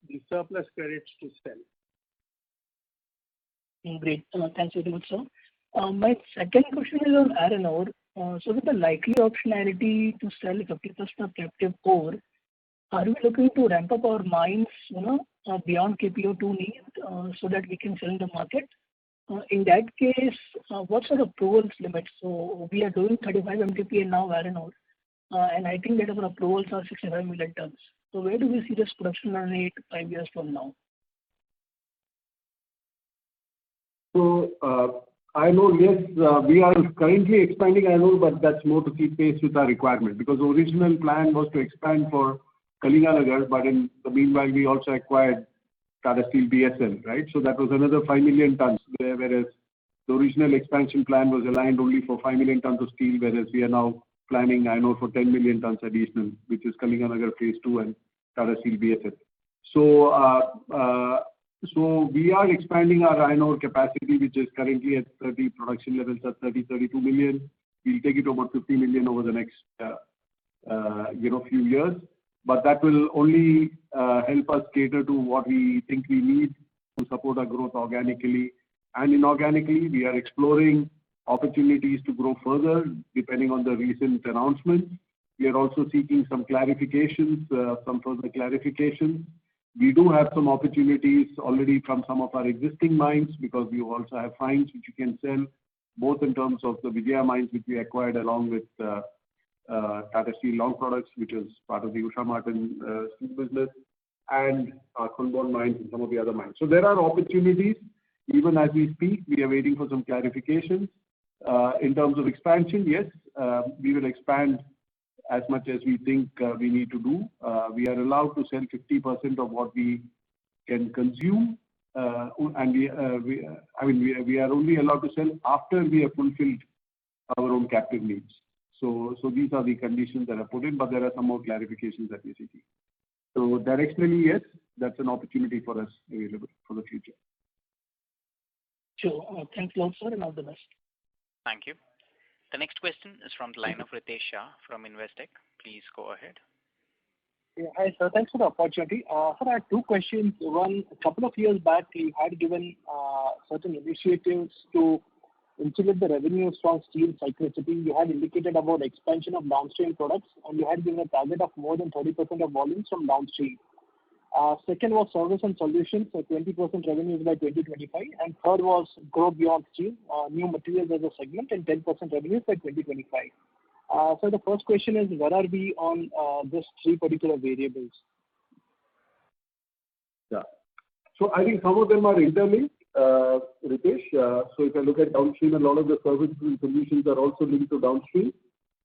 the surplus credits to sell. Great. Thanks a lot, sir. My second question is on iron ore. With the likely optionality to sell 50+ captive ore, are we looking to ramp up our mines beyond KPO2 needs so that we can sell in the market? In that case, what's our approvals limit? We are doing 35 MTP now iron ore, and I think that our approvals are six, seven million tons. Where do we see this production run rate five years from now? Iron ore, yes. We are currently expanding iron ore, but that's more to keep pace with our requirement. The original plan was to expand for Kalinganagar, but in the meanwhile, we also acquired Tata Steel BSL. That was another five million tons, whereas the original expansion plan was aligned only for five million tons of steel, whereas we are now planning iron ore for 10 million tons additional, which is Kalinganagar Phase II and Tata Steel BSL. We are expanding our iron ore capacity, which is currently at 30 production levels, at 30, 32 million. We'll take it to about 50 million over the next few years. That will only help us cater to what we think we need to support our growth organically. Inorganically, we are exploring Opportunities to grow further depending on the recent announcements. We are also seeking some further clarifications. We do have some opportunities already from some of our existing mines, because we also have fines which we can sell, both in terms of the Vijaya mines which we acquired along with Tata Steel Long Products, which is part of the Usha Martin steel business, and our Khondbond mine and some of the other mines. There are opportunities. Even as we speak, we are waiting for some clarifications. In terms of expansion, yes, we will expand as much as we think we need to do. We are allowed to sell 50% of what we can consume. We are only allowed to sell after we have fulfilled our own captive needs. These are the conditions that are put in, but there are some more clarifications that we're seeking. Directionally, yes, that's an opportunity for us available for the future. Sure. Thank you, sir, and all the best. Thank you. The next question is from the line of Ritesh Shah from Investec. Please go ahead. Hi, sir. Thanks for the opportunity. Sir, I have two questions. One, a couple of years back, you had given certain initiatives to integrate the revenues from steel cyclicity. You had indicated about expansion of downstream products, and you had given a target of more than 30% of volumes from downstream. Second was service and solutions for 20% revenues by 2025, and third was grow beyond steel, new materials as a segment and 10% revenues by 2025. Sir, the first question is: where are we on these three particular variables? Yeah. I think some of them are interlinked, Ritesh. If you look at downstream, a lot of the services and solutions are also linked to downstream.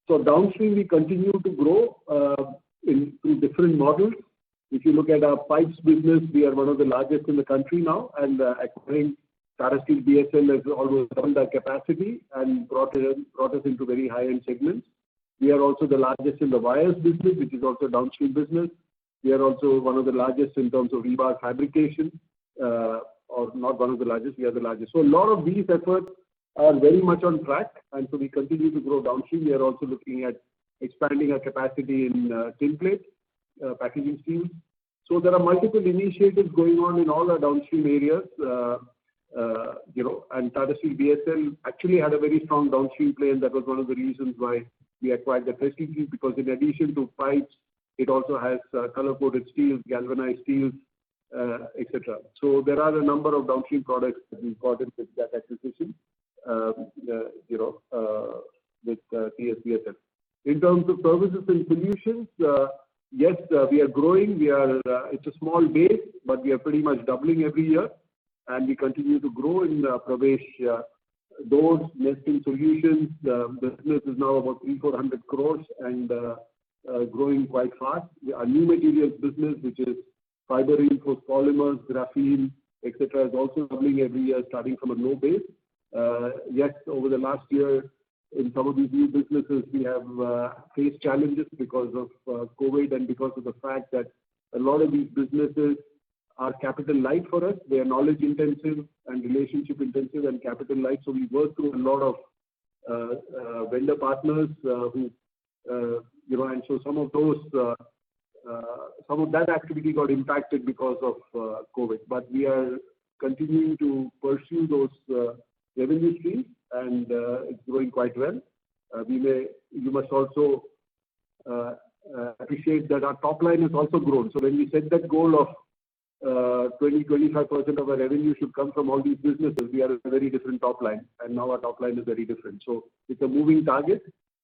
Downstream, we continue to grow in two different models. If you look at our pipes business, we are one of the largest in the country now, and acquiring Tata Steel BSL has almost doubled our capacity and brought us into very high-end segments. We are also the largest in the wires business, which is also a downstream business. We are also one of the largest in terms of rebar fabrication. Not one of the largest, we are the largest. A lot of these efforts are very much on track, we continue to grow downstream. We are also looking at expanding our capacity in tinplate, packaging steel. There are multiple initiatives going on in all our downstream areas. Tata Steel BSL actually had a very strong downstream play, and that was one of the reasons why we acquired that basically, because in addition to pipes, it also has color-coated steel, galvanized steel, et cetera. There are a number of downstream products that we got in with that acquisition with TSBSL. In terms of services and solutions, yes, we are growing. It's a small base, but we are pretty much doubling every year, and we continue to grow in Pravesh doors, nesting solutions. The business is now about 300 crore-400 crore and growing quite fast. Our new materials business, which is fiber reinforced polymers, graphene, et cetera, is also doubling every year, starting from a low base. Yes, over the last year in some of these new businesses, we have faced challenges because of COVID and because of the fact that a lot of these businesses are capital light for us. They are knowledge intensive and relationship intensive and capital light. We work through a lot of vendor partners. Some of that activity got impacted because of COVID. We are continuing to pursue those revenue streams, and it's growing quite well. You must also appreciate that our top line has also grown. When we set that goal of 20%, 25% of our revenue should come from all these businesses, we are at a very different top line, and now our top line is very different. It's a moving target.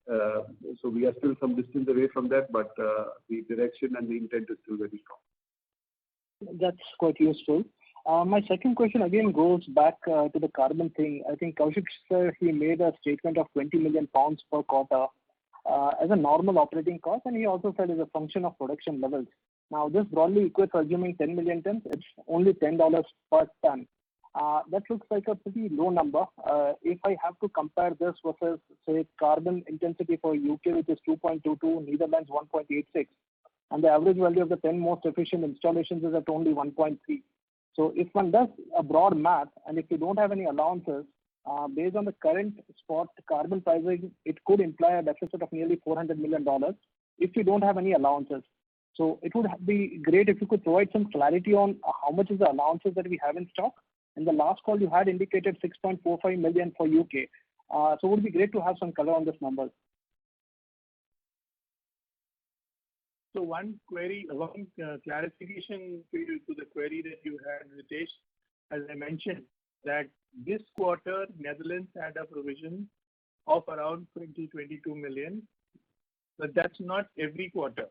We are still some distance away from that, but the direction and the intent is still very strong. That's quite useful. My second question again goes back to the carbon thing. I think Koushik sir, he made a statement of 20 million pounds per quarter as a normal operating cost. He also said as a function of production levels. This broadly equates, assuming 10 million tons, it's only $10 per ton. That looks like a pretty low number. If I have to compare this versus, say, carbon intensity for U.K., which is 2.22, Netherlands 1.86, and the average value of the 10 most efficient installations is at only 1.3. If one does a broad math, if you don't have any allowances, based on the current spot carbon pricing, it could imply a deficit of nearly $400 million if you don't have any allowances. It would be great if you could provide some clarity on how much is the allowances that we have in stock. In the last call you had indicated 6.45 million for U.K. It would be great to have some color on this number. One clarification to the query that you had, Ritesh. I mentioned that this quarter, Netherlands had a provision of around 20 million-22 million, but that's not every quarter.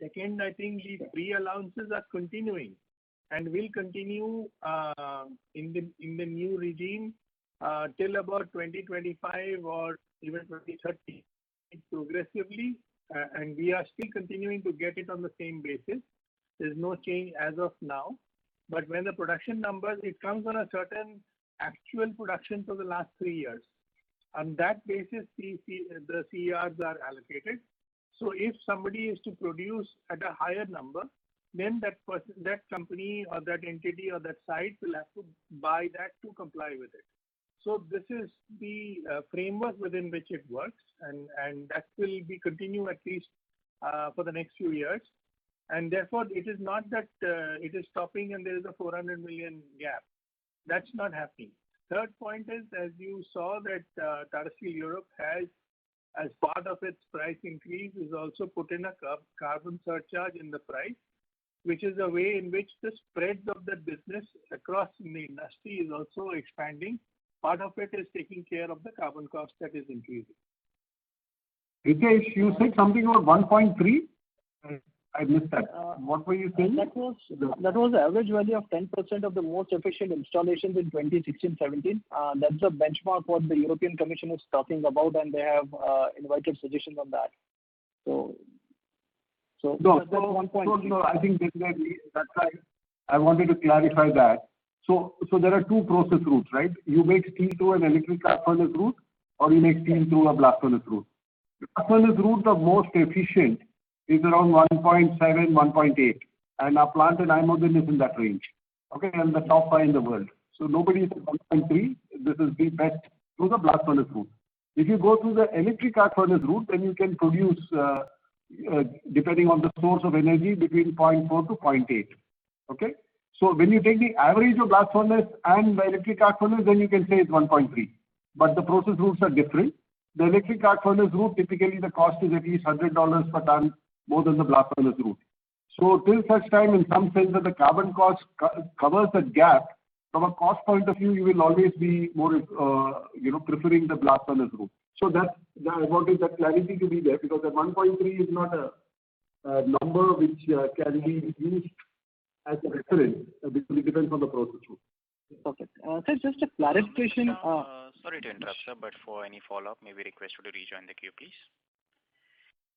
Second, I think these free allowances are continuing and will continue in the new regime till about 2025 or even 2030 progressively, and we are still continuing to get it on the same basis. There's no change as of now. When the production numbers, it comes on a certain actual production for the last three years. On that basis, the CRs are allocated. If somebody is to produce at a higher number, then that company or that entity or that site will have to buy that to comply with it. This is the framework within which it works, and that will continue at least for the next few years. Therefore, it is not that it is stopping and there is a 400 million gap. That's not happening. Third point is, as you saw that Tata Steel Europe, as part of its price increase, has also put in a carbon surcharge in the price, which is a way in which the spread of that business across in the industry is also expanding. Part of it is taking care of the carbon cost that is increasing. VK, you said something about 1.3? I missed that. What were you saying? That was the average value of 10% of the most efficient installations in 2016, 2017. That's the benchmark what the European Commission is talking about, and they have invited suggestions on that. No, I think definitely that's why I wanted to clarify that. There are two process routes, right? You make steel through an electric arc furnace route, or you make steel through a blast furnace route. The blast furnace route, the most efficient, is around 1.7, 1.8, and our plant in IJmuiden is in that range, okay? The top five in the world. Nobody is at 1.3. This is the best through the blast furnace route. If you go through the electric arc furnace route, then you can produce, depending on the source of energy, between 0.4- 0.8. Okay? When you take the average of blast furnace and the electric arc furnace, then you can say it's 1.3, but the process routes are different. The electric arc furnace route, typically the cost is at least $100 per ton more than the blast furnace route. Till such time, in some sense, that the carbon cost covers that gap, from a cost point of view, you will always be more preferring the blast furnace route. I wanted that clarity to be there because that 1.3 is not a number which can be used as a reference. This will depend on the process route. Okay. Sir, just a clarification- Sorry to interrupt, sir, for any follow-up, may we request you to rejoin the queue, please.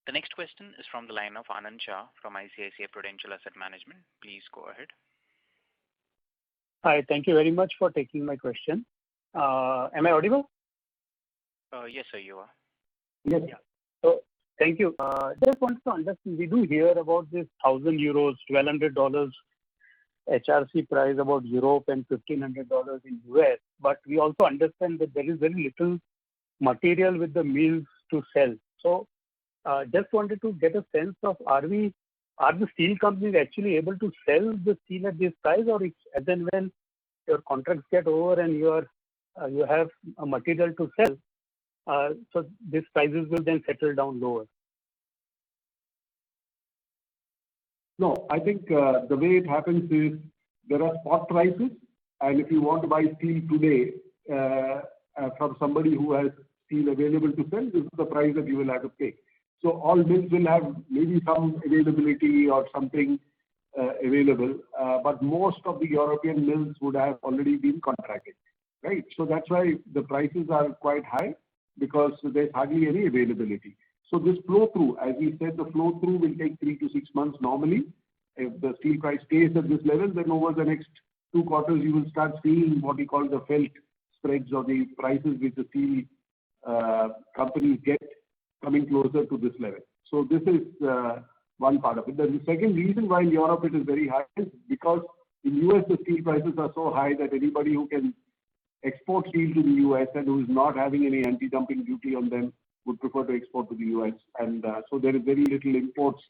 The next question is from the line of Anand Shah from ICICI Prudential Asset Management. Please go ahead. Hi. Thank you very much for taking my question. Am I audible? Yes, sir, you are. Thank you. Just wanted to understand, we do hear about this 1,000 euros, $1,200 HRC price about Europe and $1,500 in U.S. We also understand that there is very little material with the mills to sell. Just wanted to get a sense of, are the steel companies actually able to sell the steel at this price, or then when your contracts get over and you have a material to sell, these prices will then settle down lower? No, I think the way it happens is there are spot prices, and if you want to buy steel today from somebody who has steel available to sell, this is the price that you will have to pay. All mills will have maybe some availability or something available. Most of the European mills would have already been contracted. Right? That's why the prices are quite high, because there's hardly any availability. This flow through, as we said, the flow through will take three to six months normally. If the steel price stays at this level, then over the next two quarters, you will start seeing what we call the felt spreads or the prices which the steel companies get coming closer to this level. This is one part of it. The second reason why in Europe it is very high is because in U.S., the steel prices are so high that anybody who can export steel to the U.S. and who is not having any anti-dumping duty on them would prefer to export to the U.S. There is very little imports,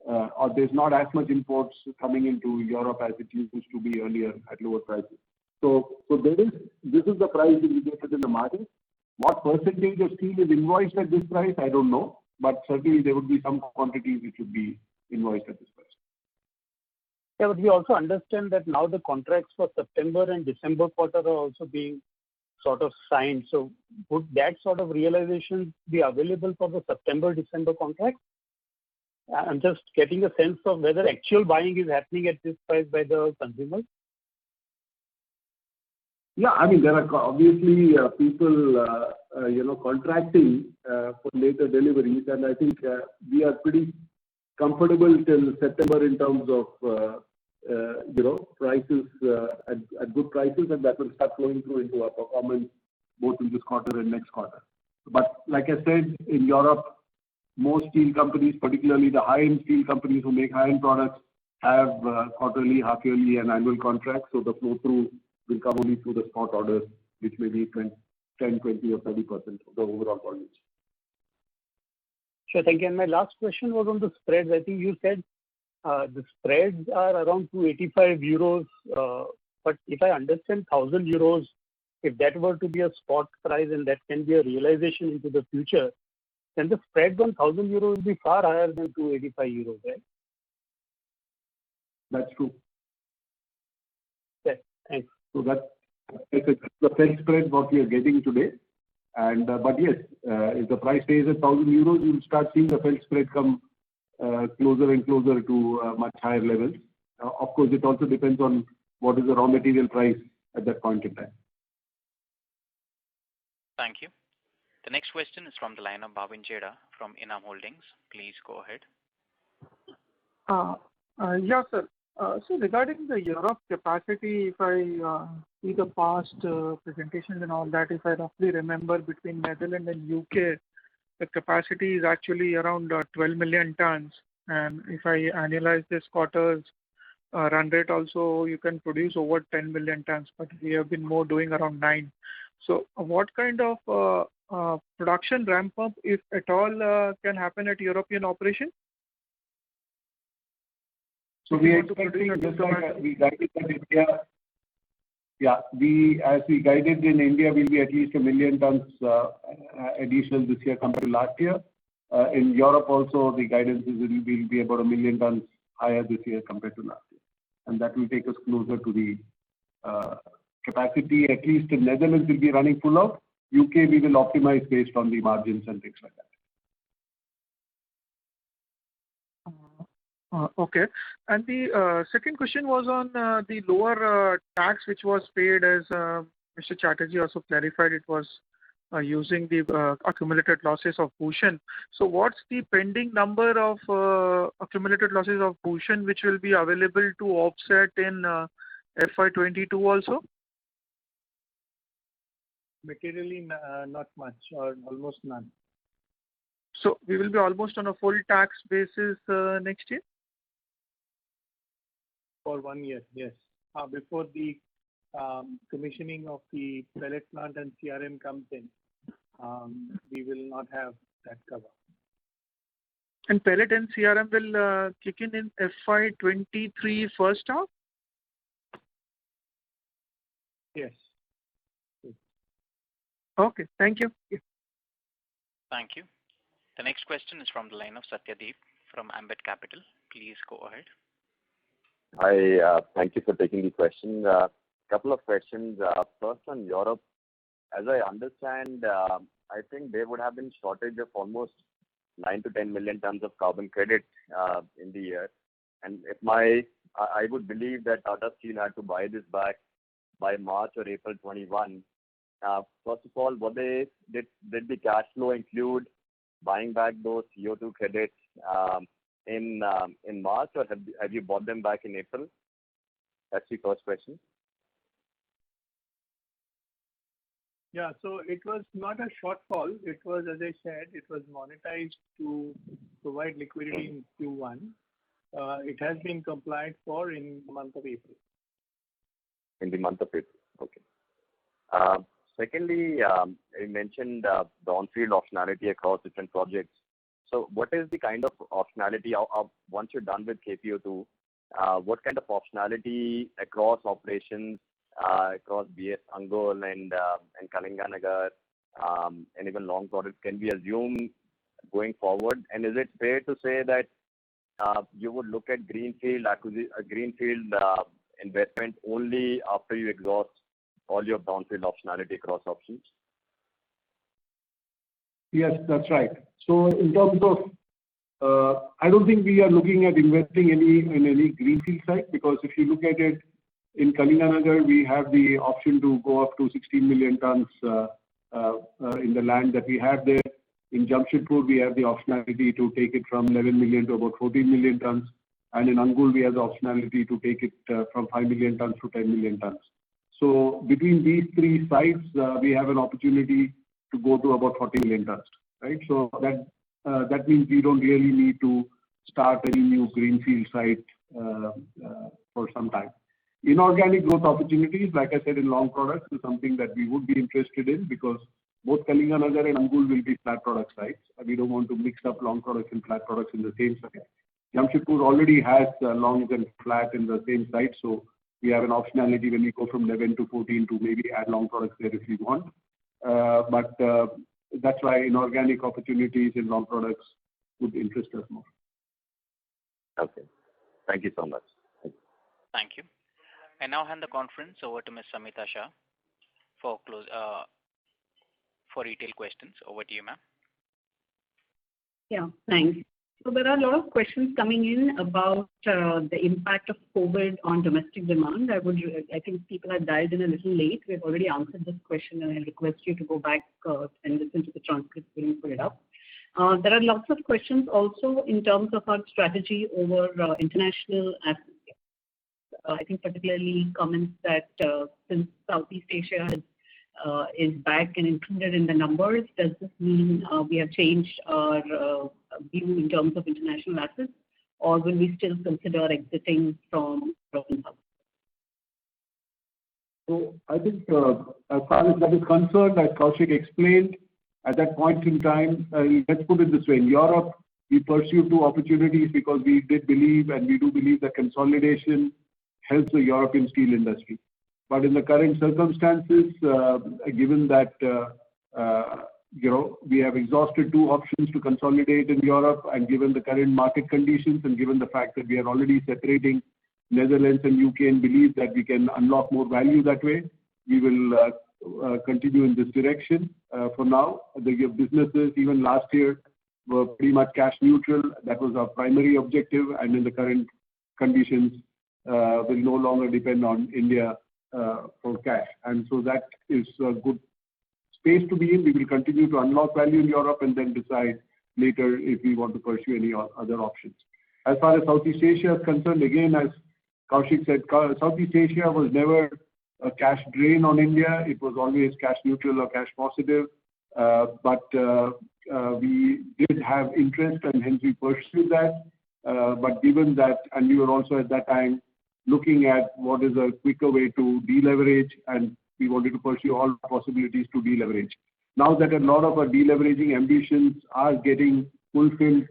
or there's not as much imports coming into Europe as it used to be earlier at lower prices. This is the price which is reflected in the margin. What percentage of steel is invoiced at this price, I don't know. Certainly there would be some quantity which would be invoiced at this price. Yeah, we also understand that now the contracts for September and December quarter are also being sort of signed. Would that sort of realization be available for the September, December contract? I am just getting a sense of whether actual buying is happening at this price by the consumers. Yeah, there are obviously people contracting for later deliveries. I think we are pretty comfortable till September in terms of prices at good prices. That will start flowing through into our performance both in this quarter and next quarter. Like I said, in Europe, most steel companies, particularly the high-end steel companies who make high-end products, have quarterly, half-yearly, and annual contracts. The flow through will come only through the spot orders, which may be 10%, 20%, or 30% of the overall volumes. Sure, thank you. My last question was on the spreads. I think you said the spreads are around €285. If I understand €1,000, if that were to be a spot price, then that can be a realization into the future. The spread on €1,000 will be far higher than €285, right? That's true. Okay, thanks. That's the felt spread what we are getting today. Yes, if the price stays at €1,000, you'll start seeing the felt spread come closer and closer to much higher levels. Of course, it also depends on what is the raw material price at that point in time. Thank you. The next question is from the line of Bhavin Chheda from Enam Holdings. Please go ahead. Yeah, sir. Regarding the Europe capacity, if I see the past presentations and all that, if I roughly remember between Netherlands and U.K., the capacity is actually around 12 million tons. If I analyze this quarter's. Run rate also, you can produce over 10 million tons, but we have been more doing around nine. What kind of production ramp-up, if at all, can happen at Tata Steel Europe? We are continuing this one. We guided that India. As we guided in India, we'll be at least 1 million tons additional this year compared to last year. In Europe also, the guidance is we'll be about 1 million tons higher this year compared to last year. That will take us closer to the capacity. At least in Netherlands, we'll be running full out. U.K., we will optimize based on the margins and things like that. Okay. The second question was on the lower tax which was paid as Mr. Chatterjee also clarified it was using the accumulated losses of Bhushan. What's the pending number of accumulated losses of Bhushan, which will be available to offset in FY 2022 also? Materially, not much, or almost none. We will be almost on a full tax basis next year? For one year, yes. Before the commissioning of the pellet plant and CRM comes in, we will not have that cover. Pellet and CRM will kick in in FY 2023 first half? Yes. Okay. Thank you. Yes. Thank you. The next question is from the line of Satyadeep Jain from Ambit Capital. Please go ahead. Thank you for taking the question. A couple of questions. First, on Europe, as I understand, I think there would have been shortage of almost 9-10 million tons of carbon credit in the year. I would believe that Tata Steel had to buy this back by March or April 2021. First of all, did the cash flow include buying back those CO2 credits in March, or have you bought them back in April? That's the first question. It was not a shortfall. It was, as I said, it was monetized to provide liquidity in Q1. It has been complied for in the month of April. In the month of April. Okay. Secondly, you mentioned the onfield optionality across different projects. Once you're done with KPO2, what kind of optionality across operations, across BS Angul and Kalinganagar, and even long products can be assumed going forward? Is it fair to say that you would look at greenfield investment only after you exhaust all your brownfield optionality across options? Yes, that's right. I don't think we are looking at investing in any greenfield site, because if you look at it, in Kalinganagar, we have the option to go up to 16 million tons in the land that we have there. In Jamshedpur, we have the optionality to take it from 11 million - about 14 million tons. In Angul, we have the optionality to take it from 5 million tons - 10 million tons. Between these three sites, we have an opportunity to go to about 14 million tons. Right? That means we don't really need to start any new greenfield site for some time. Inorganic growth opportunities, like I said in long products, is something that we would be interested in because both Kalinganagar and Angul will be flat product sites, and we don't want to mix up long products and flat products in the same site. Jamshedpur already has longs and flat in the same site. We have an optionality when we go from 11 - 14 to maybe add long products there if we want. That's why inorganic opportunities in long products would interest us more. Okay. Thank you so much. Thank you. I now hand the conference over to Ms. Samita Shah for retail questions. Over to you, ma'am. Yeah, thanks. There are a lot of questions coming in about the impact of COVID-19 on domestic demand. I think people have dialed in a little late. We've already answered this question, and I request you to go back and listen to the transcript. We will put it up. There are lots of questions also in terms of our strategy over international assets. I think particularly comments that since Southeast Asia is back and included in the numbers, does this mean we have changed our view in terms of international assets or will we still consider exiting from public markets? I think as far as that is concerned, as Koushik explained, at that point in time Let's put it this way. In Europe, we pursue two opportunities because we did believe, and we do believe that consolidation helps the European steel industry. In the current circumstances, given that we have exhausted two options to consolidate in Europe, and given the current market conditions, and given the fact that we are already separating Netherlands and U.K. and believe that we can unlock more value that way, we will continue in this direction. For now, the businesses, even last year, were pretty much cash neutral. That was our primary objective. In the current conditions, we'll no longer depend on India for cash. That is a good space to be in. We will continue to unlock value in Europe and then decide later if we want to pursue any other options. As far as Southeast Asia is concerned, again, as Koushik said, Southeast Asia was never a cash drain on India. It was always cash neutral or cash positive. We did have interest and hence we pursued that. Given that, and we were also at that time looking at what is a quicker way to deleverage, and we wanted to pursue all possibilities to deleverage. Now that a lot of our deleveraging ambitions are getting fulfilled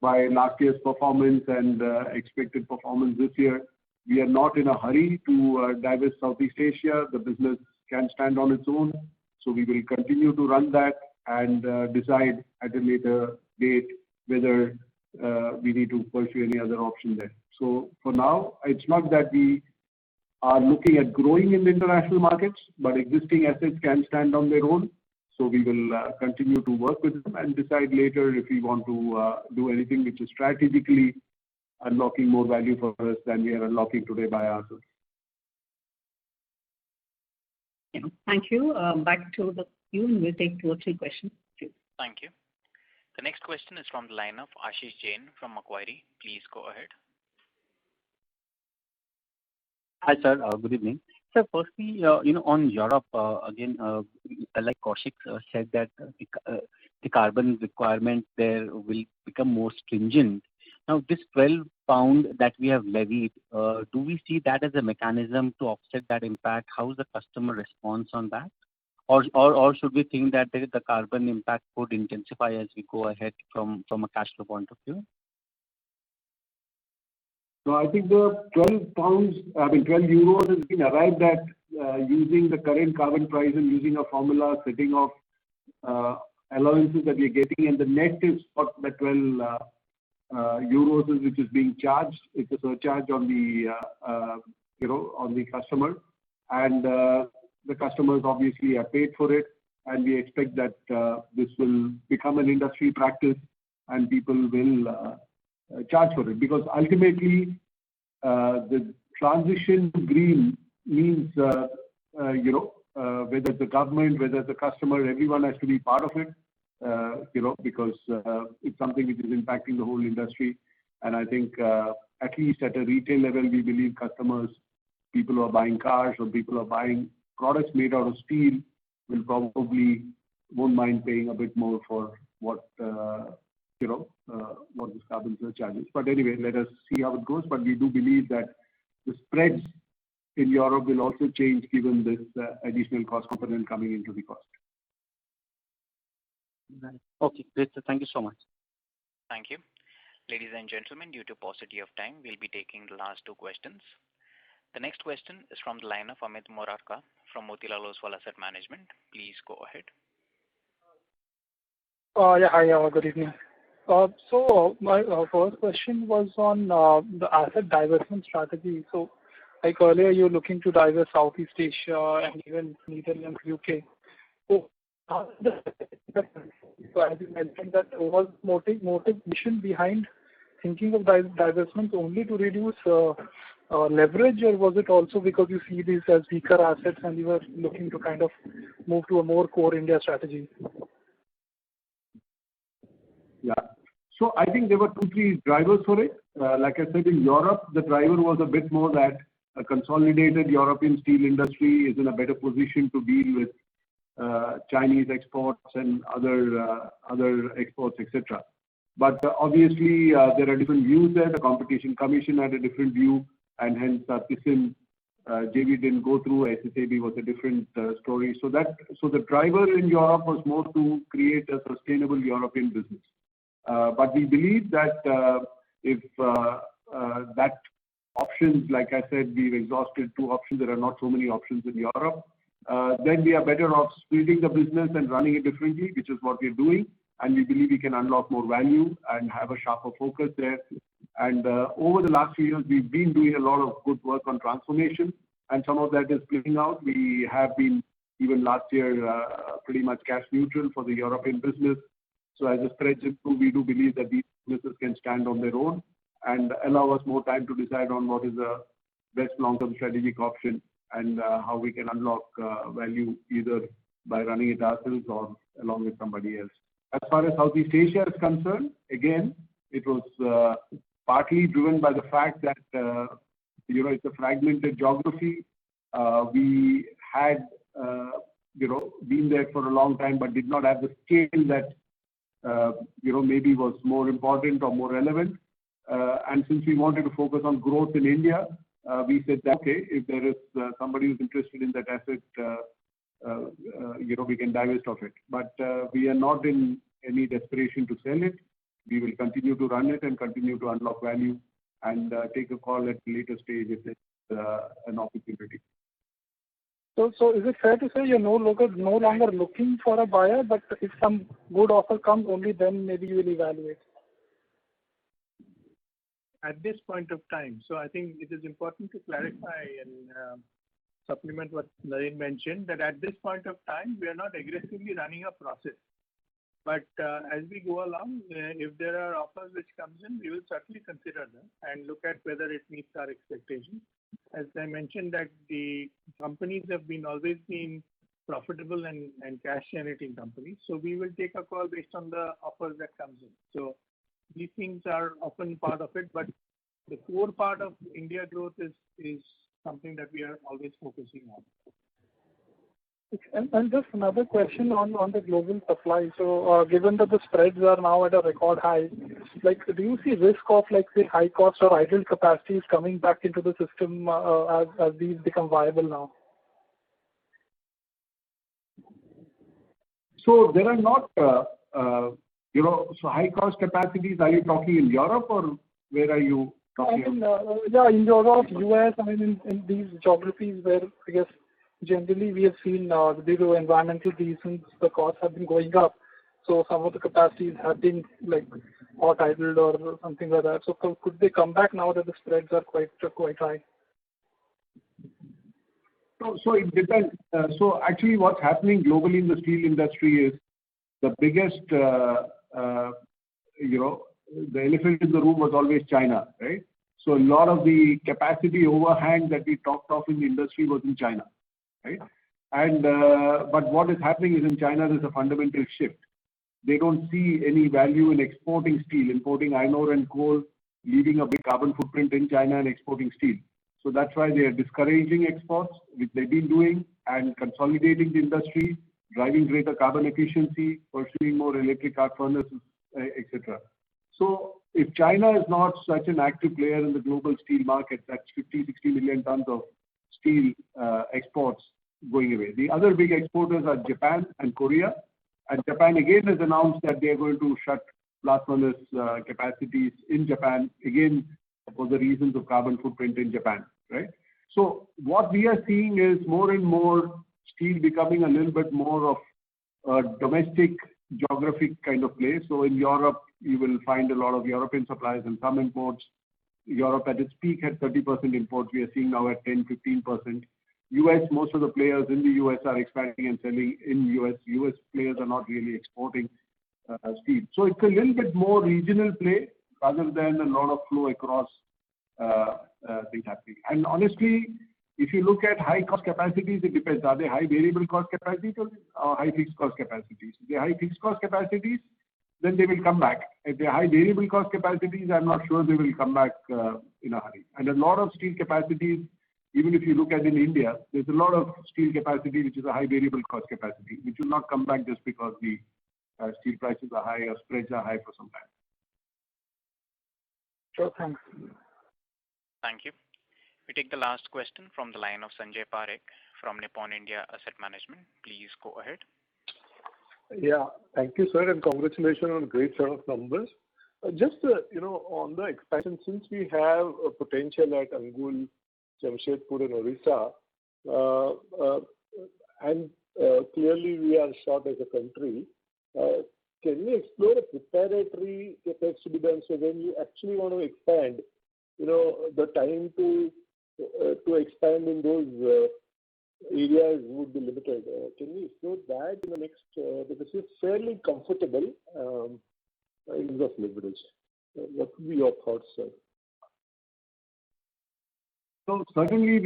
by last year's performance and expected performance this year, we are not in a hurry to divest Southeast Asia. The business can stand on its own. We will continue to run that and decide at a later date whether we need to pursue any other option there. For now, it's not that we are looking at growing in international markets, but existing assets can stand on their own. We will continue to work with them and decide later if we want to do anything which is strategically unlocking more value for us than we are unlocking today by ourselves. Thank you. Back to the queue, and we'll take two or three questions. Thank you. The next question is from the line of Ashish Jain from Macquarie. Please go ahead. Hi, sir. Good evening. Sir, firstly, on Europe, again, like Koushik Chatterjee said that the carbon requirement there will become more stringent. This 12 pound that we have levied, do we see that as a mechanism to offset that impact, how the customer responds on that? Should we think that the carbon impact could intensify as we go ahead from a cash flow point of view? I think the €12 has been arrived at using the current carbon price and using a formula setting off allowances that we're getting, and the net is what that €12 is which is being charged. It's a surcharge on the customer. The customers obviously have paid for it, and we expect that this will become an industry practice and people will charge for it. Ultimately, the transition to green means whether the government, whether the customer, everyone has to be part of it because it's something which is impacting the whole industry. I think, at least at a retail level, we believe customers, people who are buying cars or people who are buying products made out of steel will probably won't mind paying a bit more for what this carbon surcharge is. Anyway, let us see how it goes. We do believe that the spreads in Europe will also change given this additional cost component coming into the cost. Okay, great. Thank you so much. Thank you. Ladies and gentlemen, due to paucity of time, we'll be taking the last two questions. The next question is from the line of Amit Murarka from Motilal Oswal Asset Management. Please go ahead. Hi. Good evening. My first question was on the asset divestment strategy. Earlier you're looking to divest Southeast Asia and even Netherlands, U.K. As you mentioned that was motivation behind thinking of divestments only to reduce leverage or was it also because you see these as weaker assets and you are looking to kind of move to a more core India strategy? Yeah. I think there were two, three drivers for it. Like I said, in Europe, the driver was a bit more that a consolidated European steel industry is in a better position to deal with Chinese exports and other exports, et cetera. Obviously, there are different views there. The European Commission had a different view, and hence our ThyssenKrupp JV didn't go through. SSAB was a different story. The driver in Europe was more to create a sustainable European business. We believe that if that option, like I said, we've exhausted two options. There are not so many options in Europe. We are better off splitting the business and running it differently, which is what we're doing, and we believe we can unlock more value and have a sharper focus there. Over the last few years, we've been doing a lot of good work on transformation, and some of that is splitting out. We have been, even last year, pretty much cash neutral for the European business. As I said it too, we do believe that these businesses can stand on their own and allow us more time to decide on what is the best long-term strategic option and how we can unlock value either by running it ourselves or along with somebody else. As far as Southeast Asia is concerned, again, it was partly driven by the fact that it's a fragmented geography. We had been there for a long time but did not have the scale that maybe was more important or more relevant. Since we wanted to focus on growth in India, we said that, okay, if there is somebody who is interested in that asset we can divest of it. We are not in any desperation to sell it. We will continue to run it and continue to unlock value and take a call at a later stage if it is an opportunity. Is it fair to say you're no longer looking for a buyer, but if some good offer comes, only then maybe you will evaluate? At this point of time. I think it is important to clarify and supplement what T. V. Narendran mentioned, that at this point of time, we are not aggressively running a process. As we go along, if there are offers which comes in, we will certainly consider them and look at whether it meets our expectations. As I mentioned that the companies have always been profitable and cash-generating companies. We will take a call based on the offers that comes in. These things are often part of it, but the core part of India growth is something that we are always focusing on. Okay. Just another question on the global supply. Given that the spreads are now at a record high, do you see risk of the high cost or idle capacities coming back into the system as these become viable now? High cost capacities, are you talking in Europe or where are you talking? In Europe, U.S., I mean, in these geographies where I guess generally we have seen due to environmental reasons, the costs have been going up, so some of the capacities have been hot idled or something like that. Could they come back now that the spreads are quite high? It depends. Actually what's happening globally in the steel industry is the elephant in the room was always China, right? A lot of the capacity overhang that we talked of in the industry was in China. Right? What is happening is in China, there's a fundamental shift. They don't see any value in exporting steel, importing iron ore and coal, leaving a big carbon footprint in China and exporting steel. That's why they are discouraging exports, which they've been doing, and consolidating the industry, driving greater carbon efficiency, pursuing more electric arc furnaces, et cetera. If China is not such an active player in the global steel market, that's 50, 60 million tons of steel exports going away. The other big exporters are Japan and Korea. Japan again has announced that they're going to shut blast furnace capacities in Japan, again, for the reasons of carbon footprint in Japan. What we are seeing is more and more steel becoming a little bit more of a domestic geographic kind of play. In Europe, you will find a lot of European suppliers and some imports. Europe at its peak had 30% imports. We are seeing now at 10%-15%. U.S., most of the players in the U.S. are expanding and selling in the U.S. U.S. players are not really exporting steel. It's a little bit more regional play rather than a lot of flow across things happening. Honestly, if you look at high cost capacities, it depends. Are they high variable cost capacities or high fixed cost capacities? If they're high fixed cost capacities, then they will come back. If they're high variable cost capacities, I'm not sure they will come back in a hurry. A lot of steel capacities, even if you look at in India, there's a lot of steel capacity which is a high variable cost capacity, which will not come back just because the steel prices are high or spreads are high for some time. Sure. Thank you. Thank you. We take the last question from the line of Sanjay Parekh from Nippon India Asset Management. Please go ahead. Yeah. Thank you, sir, and congratulations on a great set of numbers. Just on the expansion, since we have a potential at Angul, Jamshedpur and Odisha, Clearly we are short as a country, can we explore if preparatory efforts to be done so when you actually want to expand, the time to expand in those areas would be limited. Can we explore that? Because it's fairly comfortable in terms of leverage. What would be your thoughts, sir? Certainly,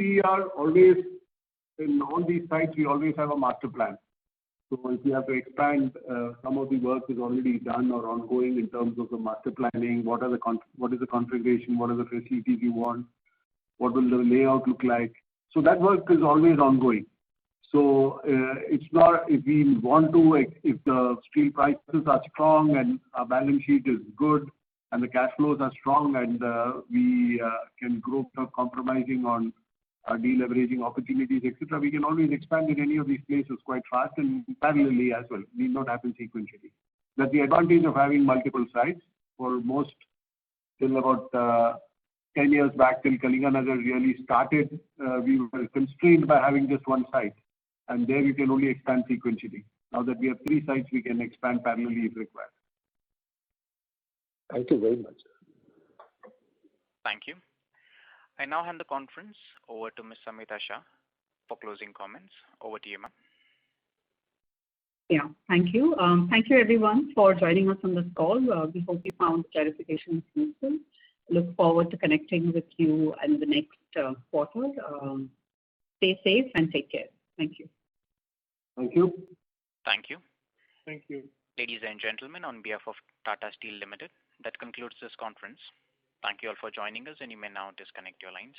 in all these sites, we always have a master plan. If we have to expand, some of the work is already done or ongoing in terms of the master planning. What is the configuration, what are the facilities we want? What will the layout look like? That work is always ongoing. If we want to, if the steel prices are strong and our balance sheet is good and the cash flows are strong and we can grow without compromising on our deleveraging opportunities, et cetera, we can always expand in any of these places quite fast and parallelly as well. Need not happen sequentially. That's the advantage of having multiple sites. For most, till about 10 years back till Kalinganagar really started, we were constrained by having just one site, and there you can only expand sequentially. Now that we have three sites, we can expand parallelly if required. Thank you very much. Thank you. I now hand the conference over to Ms. Samita Shah for closing comments. Over to you, ma'am. Thank you. Thank you everyone for joining us on this call. We hope you found the clarifications useful. Look forward to connecting with you in the next quarter. Stay safe and take care. Thank you. Thank you. Thank you. Thank you. Ladies and gentlemen, on behalf of Tata Steel Limited, that concludes this conference. Thank you all for joining us, and you may now disconnect your lines.